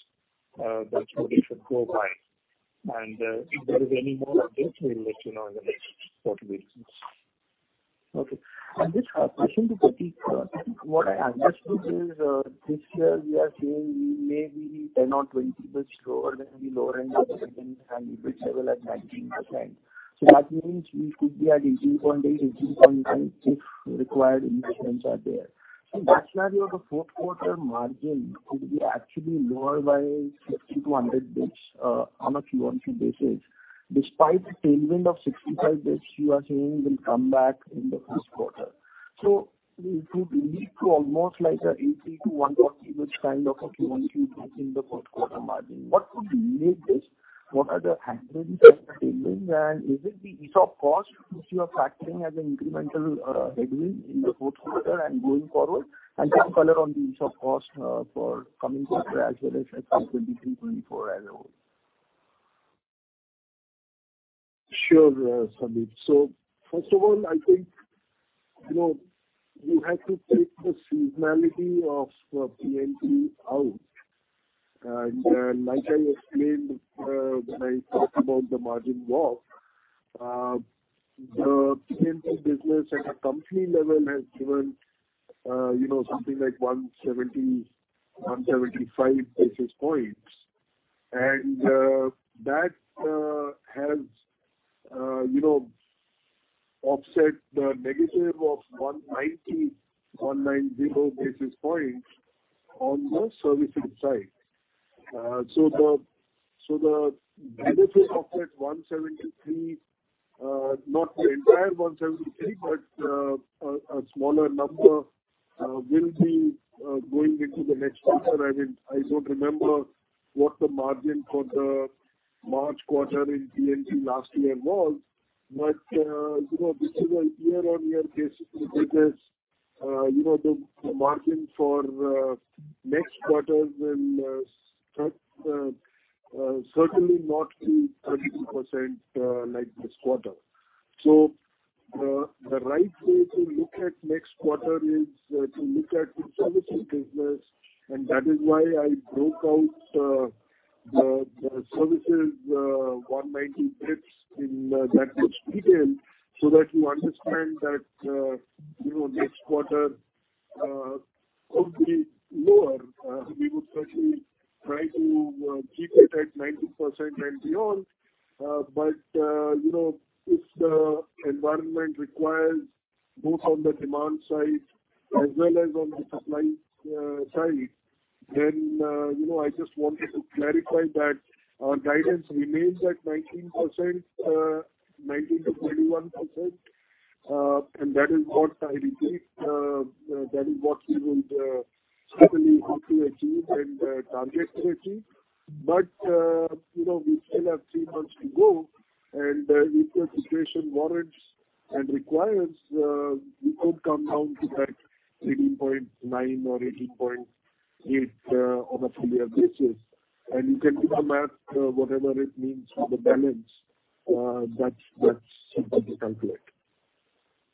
that's what we should go by. If there is any more updates, we will let you know in the next quarter meetings. Okay. This question to Prateek. I think what I understood is, this year we are saying we may be 10 or 20 basis lower than the lower end of the guidance and EBITDA at 19%. That means we could be at 18.8, 18.9 if required investments are there. That's why your fourth quarter margin could be actually lower by 50-100 basis, on a Q-on-Q basis, despite the tailwind of 65 basis you are saying will come back in the first quarter. It would lead to almost like a 80-100 basis kind of a Q-on-Q drop in the fourth quarter margin. What could be the reason? What are the headwinds and tailwinds? Is it the ESOP cost which you are factoring as an incremental headwind in the fourth quarter and going forward? Just color on the ESOP cost for coming quarter as well as FY 2023, 2024 as a whole. Sure, Sandeep. First of all, I think, you know, you have to take the seasonality of P&P out. Like I explained, when I talked about the margin walk, the P&P business at a company level has given, you know, something like 175 basis points. That has, you know, offset the negative of 190 basis points on the services side. The benefit offset 173, not the entire 173, but a smaller number will be going into the next quarter. I mean, I don't remember what the margin for the March quarter in P&P last year was, but you know, this is a year-on-year basis business. You know, the margin for next quarter will certainly not be 22% like this quarter. The right way to look at next quarter is to look at the services business, and that is why I broke out the services 190 basis points in that much detail so that you understand that you know, next quarter could be lower. We would certainly try to keep it at 19% and beyond. You know, if the environment requires both on the demand side as well as on the supply side, then you know, I just wanted to clarify that our guidance remains at 19%, 19%-21%, and that is what I repeat, that is what we would certainly hope to achieve and target to achieve. You know, we still have three months to go, and if the situation warrants and requires, we could come down to that 18.9 or 18.8 on a full year basis. You can do the math, whatever it means for the balance, that's simple to calculate.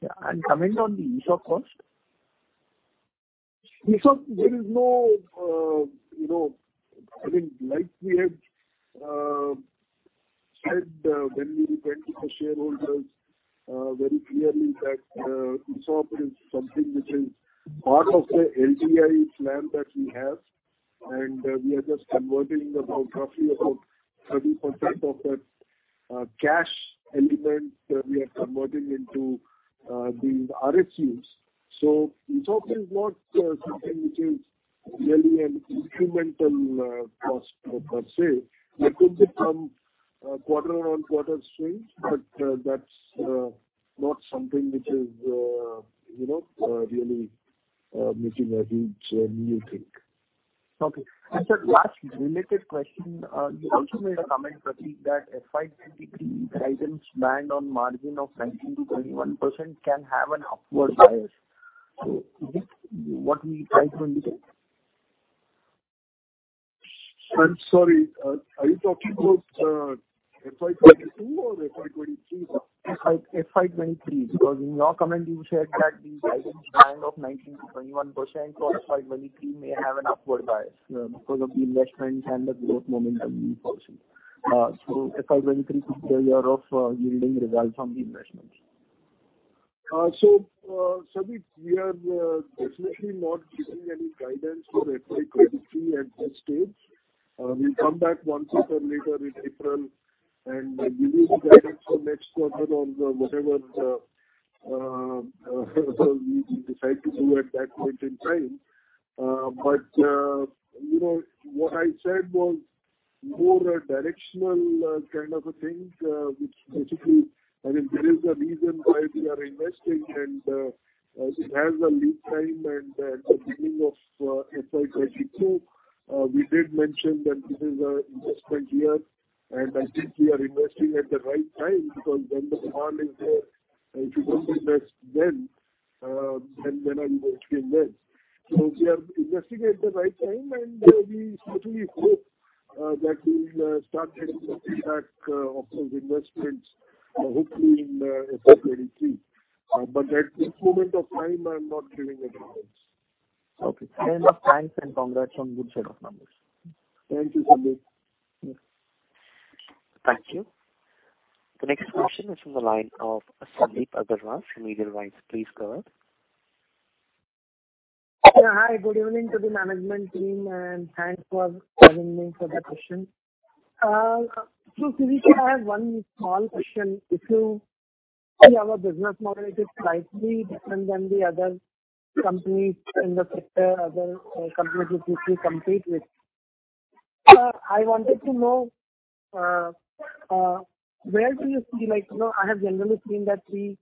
Yeah. Comment on the ESOP cost. ESOP, there is no, you know, I mean, like we have said when we went to the shareholders very clearly that ESOP is something which is part of the LTI plan that we have, and we are just converting roughly about 30% of that cash element into the RSUs. ESOP is not something which is really an incremental cost per se. There could be some quarter-on-quarter swings, but that's not something which is, you know, really making a huge new thing. Okay. Sir, last related question. You also made a comment, Prateek, that FY 2023 guidance band on margin of 19%-21% can have an upward bias. Is this what we try to indicate? I'm sorry, are you talking about FY 2022 or FY 2023, sir? FY 2023. Because in your comment you said that the guidance band of 19%-21% for FY 2023 may have an upward bias, because of the investments and the growth momentum you foresee. FY 2023 could be a year of yielding results from the investments. Sandeep, we are definitely not giving any guidance for FY 2023 at this stage. We'll come back once again later in April, and we will guide it for next quarter on whatever we decide to do at that point in time. You know, what I said was more a directional kind of a thing, which basically I mean, there is a reason why we are investing and it has a lead time. At the beginning of FY 2022, we did mention that this is an investment year, and I think we are investing at the right time because when the demand is there, if you don't invest then, when are you going to invest? We are investing at the right time, and we certainly hope that we will start getting the feedback of those investments, hopefully in FY 2023. At this moment of time, I'm not giving a guidance. Okay. Fair enough. Thanks and congrats on good set of numbers. Thank you, Sandeep. Thank you. The next question is from the line of Sandip Agarwal from Edelweiss. Please go ahead. Yeah. Hi, good evening to the management team, and thanks for having me for the question. CV, I have one small question. If you see our business model, it is slightly different than the other companies in the sector which we compete with. I wanted to know where you see, like, you know, I have generally seen that we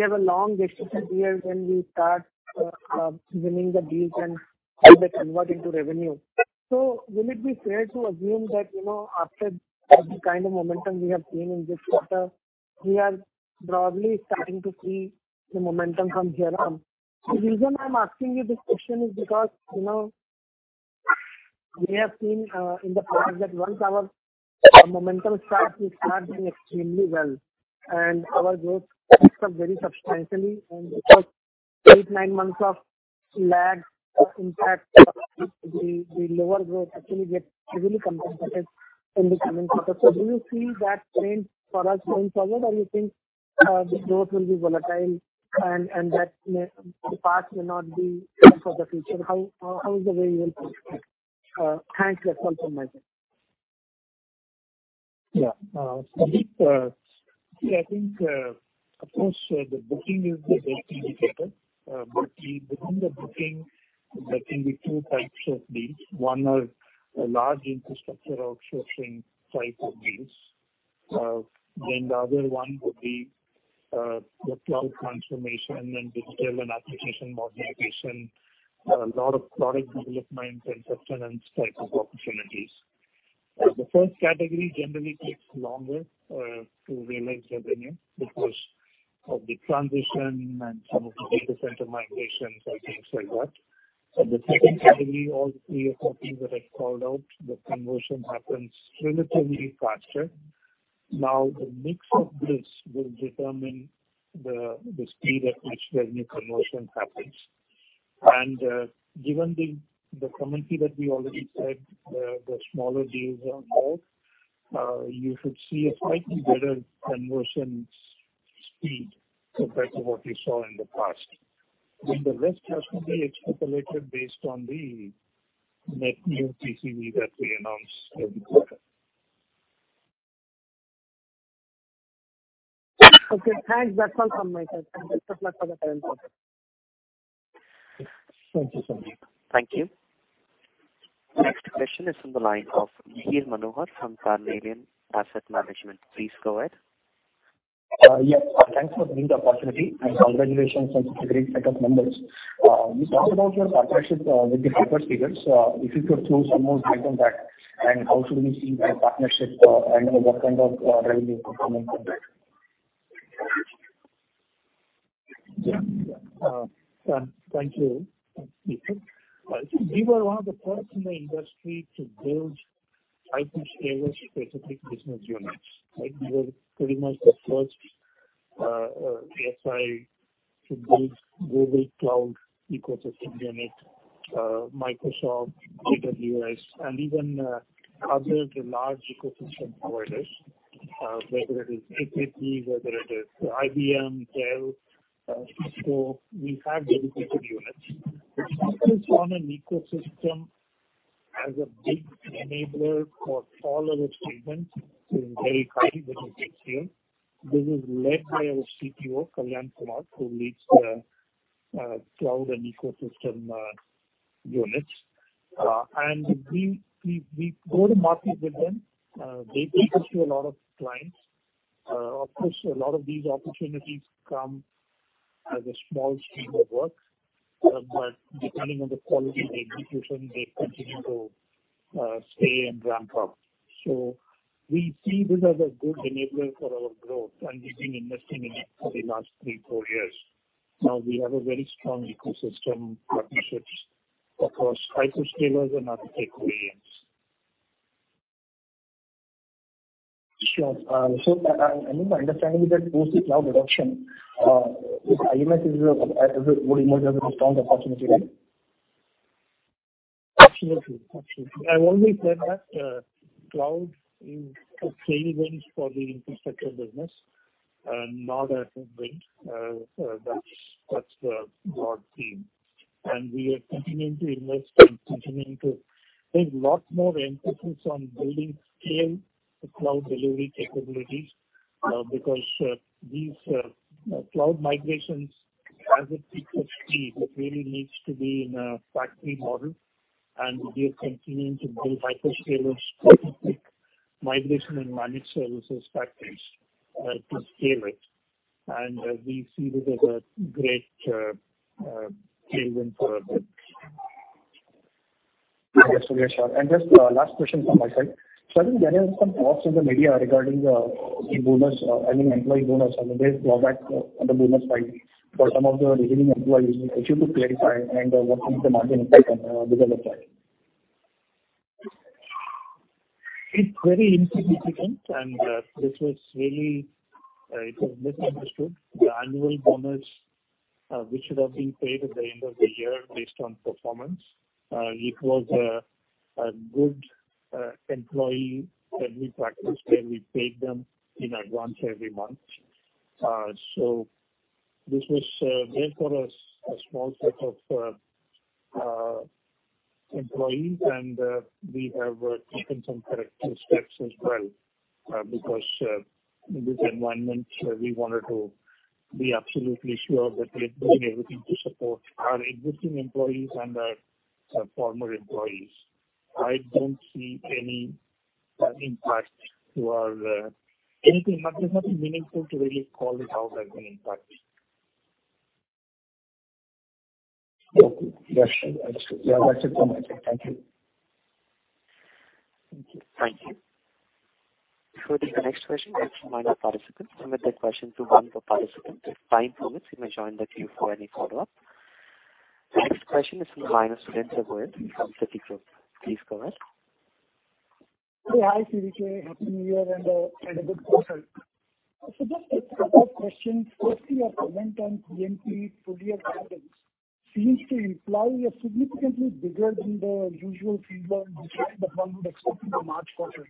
have a long decision cycle when we start winning the deals and how they convert into revenue. Will it be fair to assume that, you know, after every kind of momentum we have seen in this quarter, we are probably starting to see the momentum from here on? The reason I'm asking you this question is because, you know, we have seen in the past that once our momentum starts, we start doing extremely well and our growth picks up very substantially. Because eight-nine months of lag impact, the lower growth actually gets easily compensated in the coming quarter. Do you see that trend for us going forward or you think the growth will be volatile and the past may not be the same for the future? How do you look at it? Thanks. That's all from my side. Yeah. Sandip, see, I think, of course, the booking is the best indicator. But within the booking, there can be two types of deals. One are large infrastructure outsourcing type of deals. Then the other one would be, the cloud transformation and digital and application modernization, lot of product development and sustenance type of opportunities. The first category generally takes longer, to realize the revenue because of the transition and some of the data center migrations and things like that. In the second category, all three or four deals that I called out, the conversion happens relatively faster. Now, the mix of this will determine the speed at which revenue conversion happens. Given the commentary that we already said, the smaller deals are more, you should see a slightly better conversion. Speed compared to what we saw in the past. The rest has to be extrapolated based on the net new TCV that we announced every quarter. Okay, thanks. That's all from my side. Best of luck for the current quarter. Thank you, Sandip. Thank you. Next question is from the line of Mihir Manohar from Carnelian Asset Management. Please go ahead. Yes. Thanks for giving the opportunity and congratulations on such a great set of numbers. You talked about your partnership with the hyperscalers. If you could throw some more light on that, and how should we see the partnership, and what kind of revenue performance on that? Yeah. Thank you, Mihir. I think we were one of the first in the industry to build hyperscaler-specific business units. Right? We were pretty much the first SI to build Google Cloud ecosystem unit, Microsoft, AWS, and even other large ecosystem providers, whether it is HP, whether it is IBM, Dell, Cisco, we have dedicated units. The focus on an ecosystem as a big enabler for all of its segments is very high within HCL. This is led by our CTO, Kalyan Kumar, who leads the cloud and ecosystem units. We go to market with them. They take us to a lot of clients. Of course, a lot of these opportunities come as a small stream of work. Depending on the quality of the execution, they continue to stay and ramp up. We see this as a good enabler for our growth, and we've been investing in it for the last three-four years. Now we have a very strong ecosystem partnerships across hyperscalers and other technology ends. Sure. I think my understanding is that post the cloud adoption, this IMS is a would emerge as a strong opportunity, right? Absolutely. I've always said that cloud is a tailwind for the infrastructure business and not a headwind. That's the broad theme. We are continuing to invest. There's lots more emphasis on building scale for cloud delivery capabilities, because these cloud migrations, as it picks up speed, it really needs to be in a factory model. We are continuing to build hyperscalers-specific migration and managed services factories to scale it. We see this as a great tailwind for our growth. Yes. Okay, sure. Just last question from my side. I think there are some talks in the media regarding the bonus. I mean employee bonus and there's drawback on the bonus side for some of the remaining employees. If you could clarify and what is the margin impact because of that? It's very insignificant and this was really it was misunderstood. The annual bonus, which would have been paid at the end of the year based on performance, it was a good employee practice that we practiced, where we paid them in advance every month. This was made for a small set of employees and we have taken some corrective steps as well. Because in this environment, we wanted to be absolutely sure that we are doing everything to support our existing employees and our former employees. I don't see any impact to our anything. Nothing meaningful to really call it out as an impact. Okay. Yeah, sure. That's true. Yeah. That's it from my side. Thank you. Thank you. Thank you. Before I take the next question, I'd remind our participants to submit their question to one per participant. If time permits, you may join the queue for any follow-up. The next question is from the line of Surendra Goyal from Citigroup. Please go ahead. Hi, CVK. Happy New Year and a good quarter. Just a couple of questions. Firstly, your comment on P&P for the year guidance seems to imply a significantly bigger than the usual seasonal decline that one would expect in the March quarter.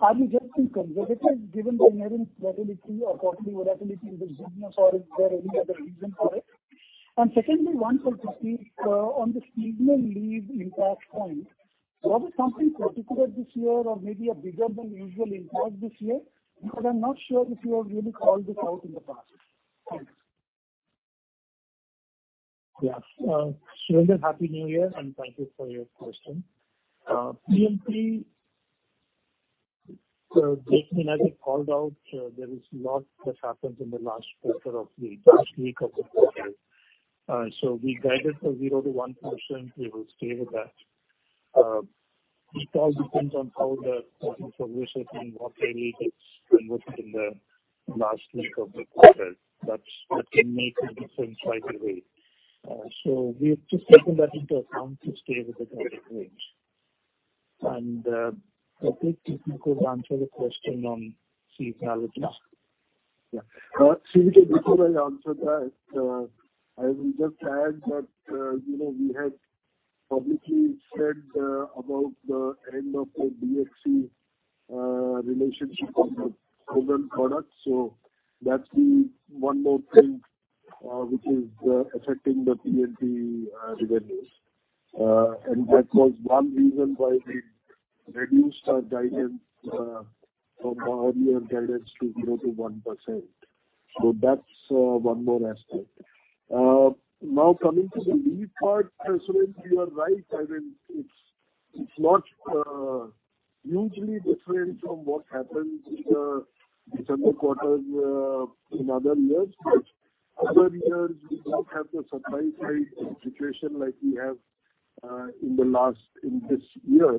Are you just being conservative given the inherent volatility or quarterly volatility in this business, or is there any other reason for it? Secondly, one for Kalyan Kumar, on the seasonal leave impact point, was it something particular this year or maybe a bigger than usual impact this year? Because I'm not sure if you have really called this out in the past. Thanks. Surendra, Happy New Year, and thank you for your question. P&P, Jason, I think, called out, there's a lot that happened in the last week of the quarter. We guided for 0%-1%. We will stay with that. It all depends on how the season progresses and what really gets committed in the last week of the quarter. That can make a difference either way. We've just taken that into account to stay with the guided range. I think Prateek could answer the question on seasonality. CVK, before I answer that, I will just add that, you know, we had publicly said about the end of the DXC relationship on the program products. So that's one more thing which is affecting the P&P revenues. And that was one reason why we reduced our guidance from our earlier guidance to 0%-1%. So that's one more aspect. Now coming to the lead part, Ashwin, you are right. I mean, it's not usually different from what happens in the second quarter in other years. Other years we don't have the supply side situation like we have in this year.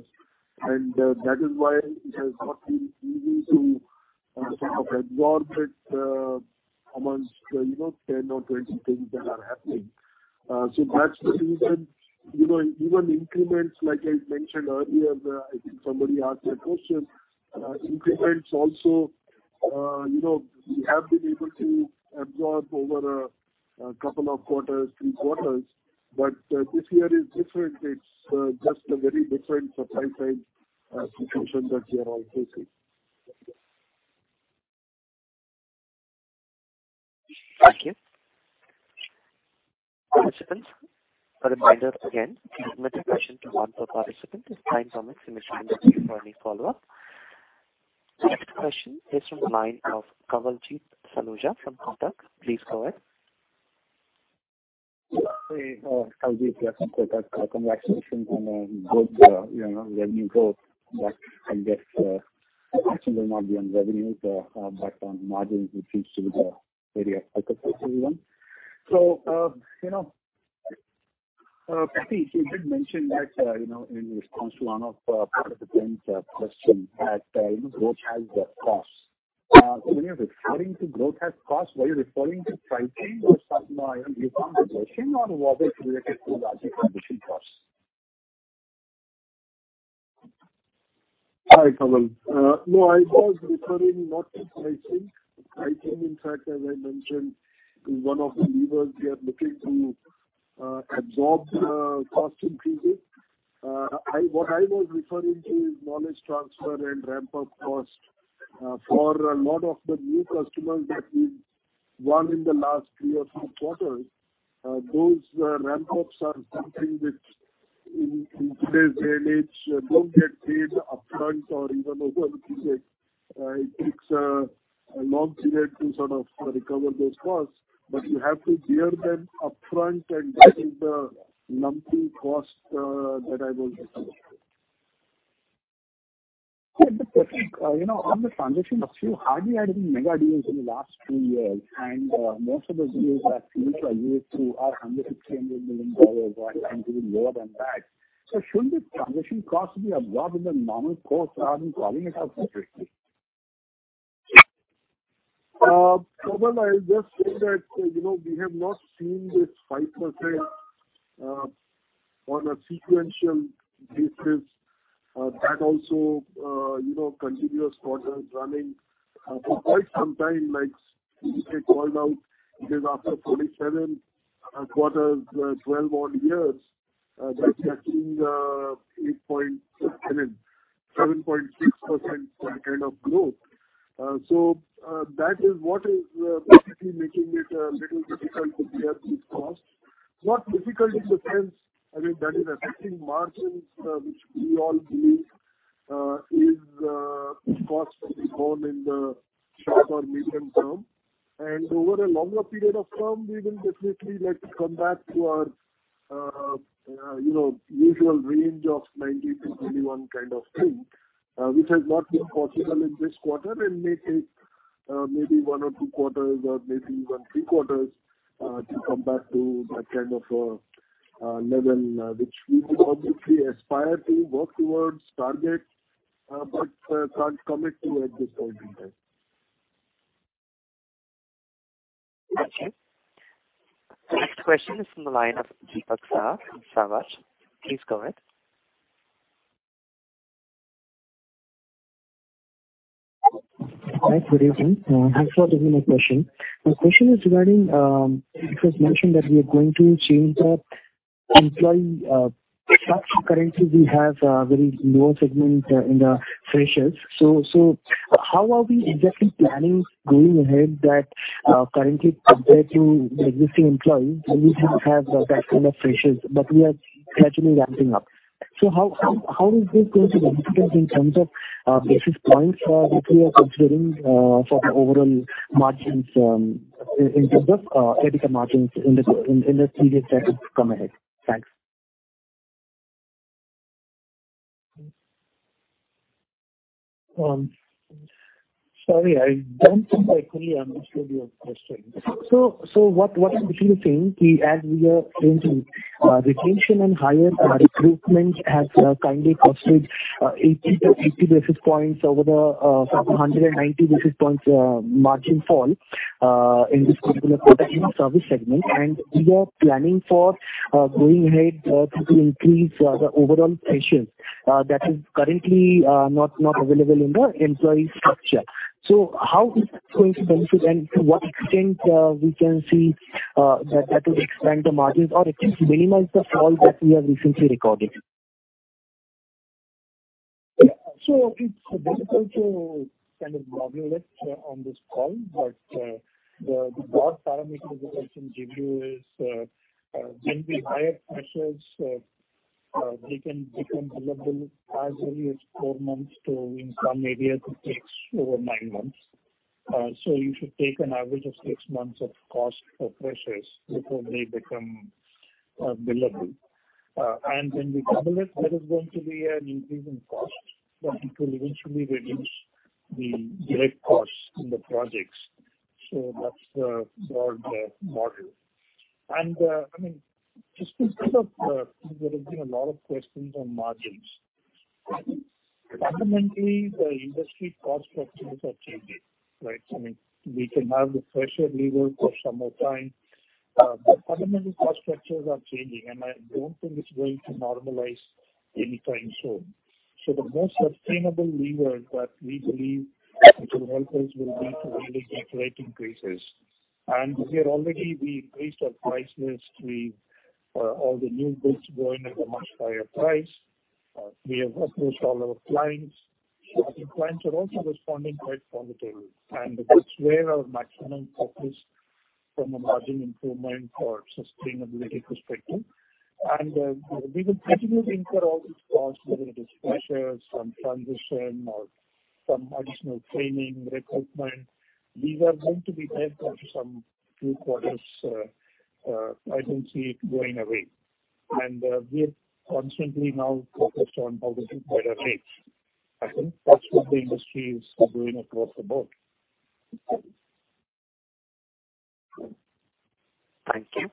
And that is why it has not been easy to sort of absorb it amongst, you know, 10 or 20 things that are happening. That's the reason, you know, even increments, like I mentioned earlier, I think somebody asked that question. Increments also, you know, we have been able to absorb over a couple of quarters, three quarters. This year is different. It's just a very different supply side situation that we are all facing. Thank you. Participants, a reminder again, limit your question to one per participant. If time permits, you may stay for any follow-up. Next question is from the line of Kawaljeet Saluja from Kotak. Please go ahead. Hey, Kawaljeet from Kotak. Congratulations on a good, you know, revenue growth. I guess the question will not be on revenues, but on margins, which seems to be the area of focus for everyone. You know, Prateek, you did mention that, you know, in response to one of a participant's question that, you know, growth has a cost. When you're referring to growth has cost, were you referring to pricing or some other investment or was it related to larger transition costs? Hi, Kawaljeet. No, I was referring not to pricing. Pricing, in fact, as I mentioned, is one of the levers we are looking to absorb cost increases. What I was referring to is knowledge transfer and ramp-up cost for a lot of the new customers that we won in the last three or four quarters. Those ramp-ups are something which in today's day and age don't get paid upfront or even over a period. It takes a long period to sort of recover those costs. You have to bear them upfront, and that is the lumpy cost that I was referring to. Prateek, on the transition front, you hardly had any mega deals in the last two years, and most of those deals that you did are $100 million-$200 million or even lower than that. Shouldn't the transition costs be absorbed in the normal course rather than calling it out separately? Kawaljeet, I'll just say that, you know, we have not seen this 5% on a sequential basis. That also, you know, continuous quarters running for quite some time. Like, if I called out days after 47 quarters, 12 odd years, that's actually 8.7%, 7.6% kind of growth. That is what is basically making it a little difficult to bear these costs. Not difficult in the sense, I mean, that is affecting margins, which we all believe is a cost to be borne in the short or medium term. Over a longer period of term, we will definitely, like, come back to our, you know, usual range of 90-21 kind of thing, which has not been possible in this quarter and may take, maybe one or two quarters or maybe even three quarters, to come back to that kind of a level, which we would obviously aspire to work towards target, but, can't commit to at this point in time. Got you. The next question is from the line of Deepak Shah from Savart. Please go ahead. Hi, good evening. Thanks for taking my question. My question is regarding it was mentioned that we are going to change the employee structure. Currently, we have a very low segment in the freshers. How are we exactly planning going ahead that currently compared to the existing employees, we don't have that kind of freshers, but we are gradually ramping up. How is this going to benefit us in terms of basis points which we are considering for the overall margins in terms of EBITDA margins in the period that would come ahead? Thanks. Sorry, I don't think I fully understood your question. What I'm basically saying is as we are changing retention and hiring recruitment has kind of costed 80-80 basis points over the 190 basis points margin fall in this particular quarter in the service segment. We are planning for going ahead to increase the overall freshers that is currently not available in the employee structure. How is this going to benefit and to what extent we can see that will expand the margins or at least minimize the fall that we have recently recorded? It's difficult to kind of generalize on this call. The broad parameters that I can give you are generally higher freshers. They can be billable as early as four months to, in some areas it takes over nine months. You should take an average of six months of cost for freshers before they become billable. When we bill it, there is going to be an increase in cost, but it will eventually reduce the direct costs in the projects. That's the broad model. I mean, just because there have been a lot of questions on margins. Fundamentally, the industry cost structures are changing, right? I mean, we can have the fresher lever for some more time. Fundamentally cost structures are changing, and I don't think it's going to normalize anytime soon. The most sustainable lever that we believe which will help us will be to really get rate increases. We are already we increased our prices. All the new bids going at a much higher price. We have approached all our clients. Our clients are also responding quite positively, and that's where our maximum focus from a margin improvement or sustainability perspective. We will continue to incur all these costs, whether it is pressures from transition or some additional training, recruitment. These are going to be headcount for some few quarters, I can see it going away. We are constantly now focused on how to reprice rates. I think that's what the industry is doing across the board. Thank you.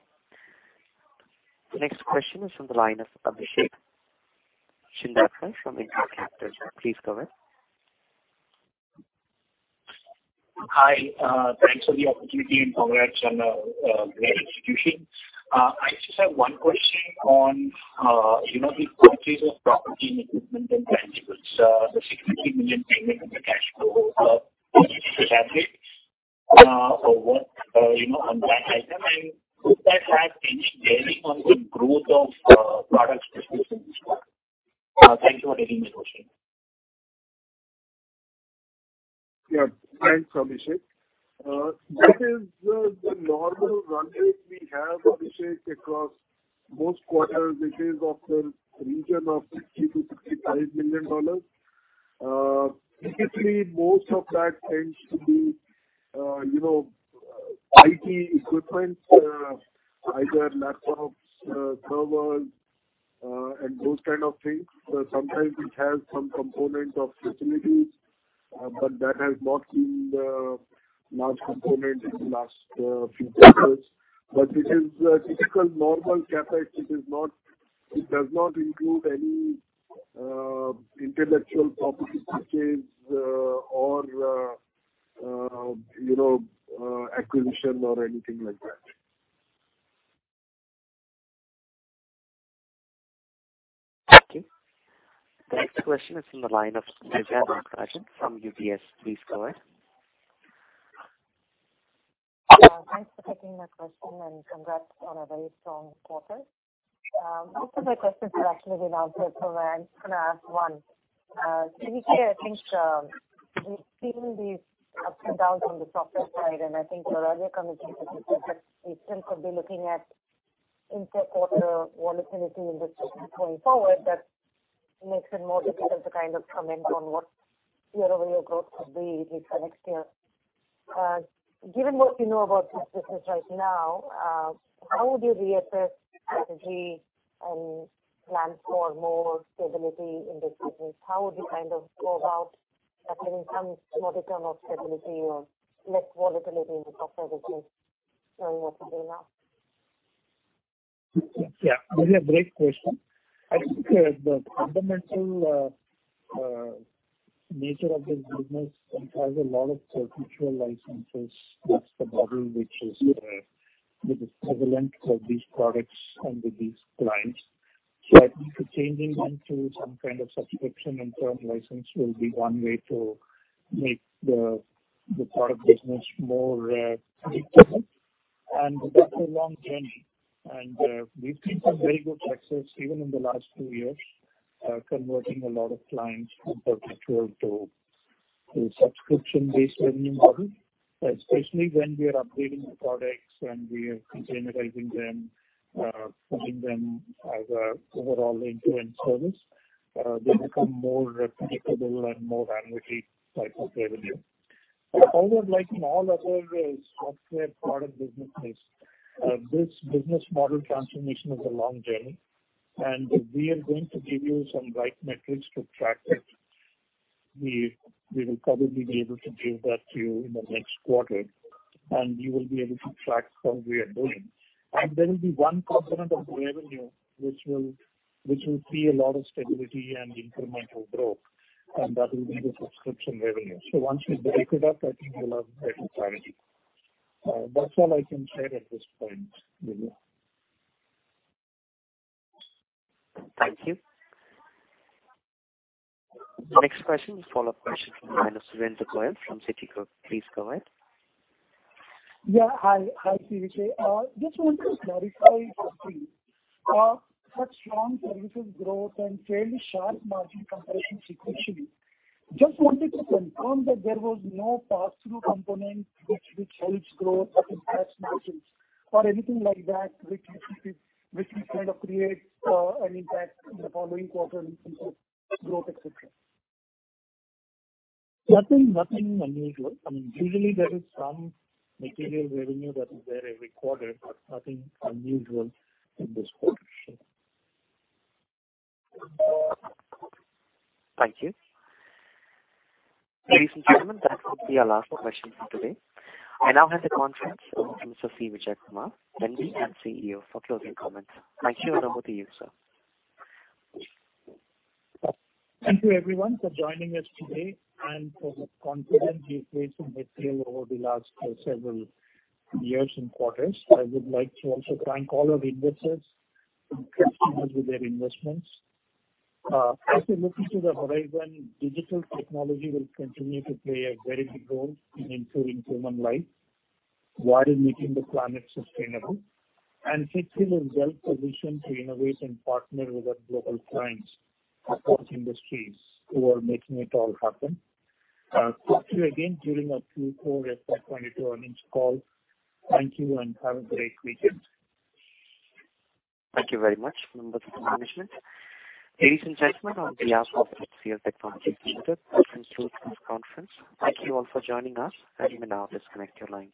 The next question is from the line of Abhishek Shindadkar from InCred Capital. Please go ahead. Hi. Thanks for the opportunity and congrats on a great execution. I just have one question on, you know, the increase of property, plant, and equipment, the $60 million payment in the cash flow. Is it a CapEx, or what, you know, unplanned item? Could that have any bearing on the growth of products business in this quarter? Thank you for taking the question. Yeah. Thanks, Abhishek. This is the normal run rate we have, Abhishek, across most quarters. It is of the region of $60 million-$65 million. Typically, most of that tends to be you know IT equipment, either laptops, servers, and those kind of things. Sometimes it has some component of facilities, but that has not been a large component in the last few quarters. It is a typical normal CapEx. It does not include any intellectual property purchase or you know acquisition or anything like that. Thank you. The next question is from the line of Susan Donofrio from UBS. Please go ahead. Thanks for taking my question, and congrats on a very strong quarter. Most of my questions have actually been answered, so I'm just gonna ask one. CVK, I think we've seen these ups and downs on the software side, and I think your earlier comment is that you said that we still could be looking at inter-quarter volatility in this business going forward. That makes it more difficult to kind of comment on what year-over-year growth could be for next year. Given what you know about this business right now, how would you reassess strategy and plan for more stability in this business? How would you kind of go about establishing some modicum of stability or less volatility in the software business knowing what you know now? Yeah. Really a great question. I think the fundamental nature of this business, it has a lot of perpetual licenses. That's the model which is prevalent for these products and with these clients. I think changing them to some kind of subscription and term license will be one way to make the product business more predictable. That's a long journey. We've seen some very good success even in the last two years converting a lot of clients from perpetual to subscription-based revenue model. Especially when we are upgrading the products and we are containerizing them, selling them as a overall end-to-end service, they become more predictable and more annuity type of revenue. However, like in all other software product businesses, this business model transformation is a long journey, and we are going to give you some right metrics to track it. We will probably be able to give that to you in the next quarter, and you will be able to track how we are doing. There will be one component of revenue which will see a lot of stability and incremental growth, and that will be the subscription revenue. Once we break it up, I think you'll have better clarity. That's all I can share at this point with you. Thank you. The next question is a follow-up question from the line of Surendra Goyal from Citigroup. Please go ahead. Yeah. Hi. Hi, CVK. Just wanted to clarify something. Such strong services growth and fairly sharp margin compression sequentially. Just wanted to confirm that there was no pass-through component which helps growth but impacts margins or anything like that, which will kind of create an impact in the following quarter in terms of growth, et cetera. Nothing, nothing unusual. I mean, usually there is some material revenue that is there every quarter, but nothing unusual in this quarter. Thank you. Ladies and gentlemen, that would be our last question for today. I now hand the conference over to Mr. C. Vijayakumar, MD and CEO, for closing comments. Thank you, and over to you, sir. Thank you everyone for joining us today and for the confidence you've placed in HCL over the last, several years and quarters. I would like to also thank all our investors and customers with their investments. As we look into the horizon, digital technology will continue to play a very big role in improving human life while making the planet sustainable. HCL is well-positioned to innovate and partner with our global clients across industries who are making it all happen. I'll talk to you again during our Q4 FY 2022 earnings call. Thank you, and have a great weekend. Thank you very much, members of the management. Ladies and gentlemen, on behalf of HCL Technologies Ltd., this concludes our conference. Thank you all for joining us. You may now disconnect your lines.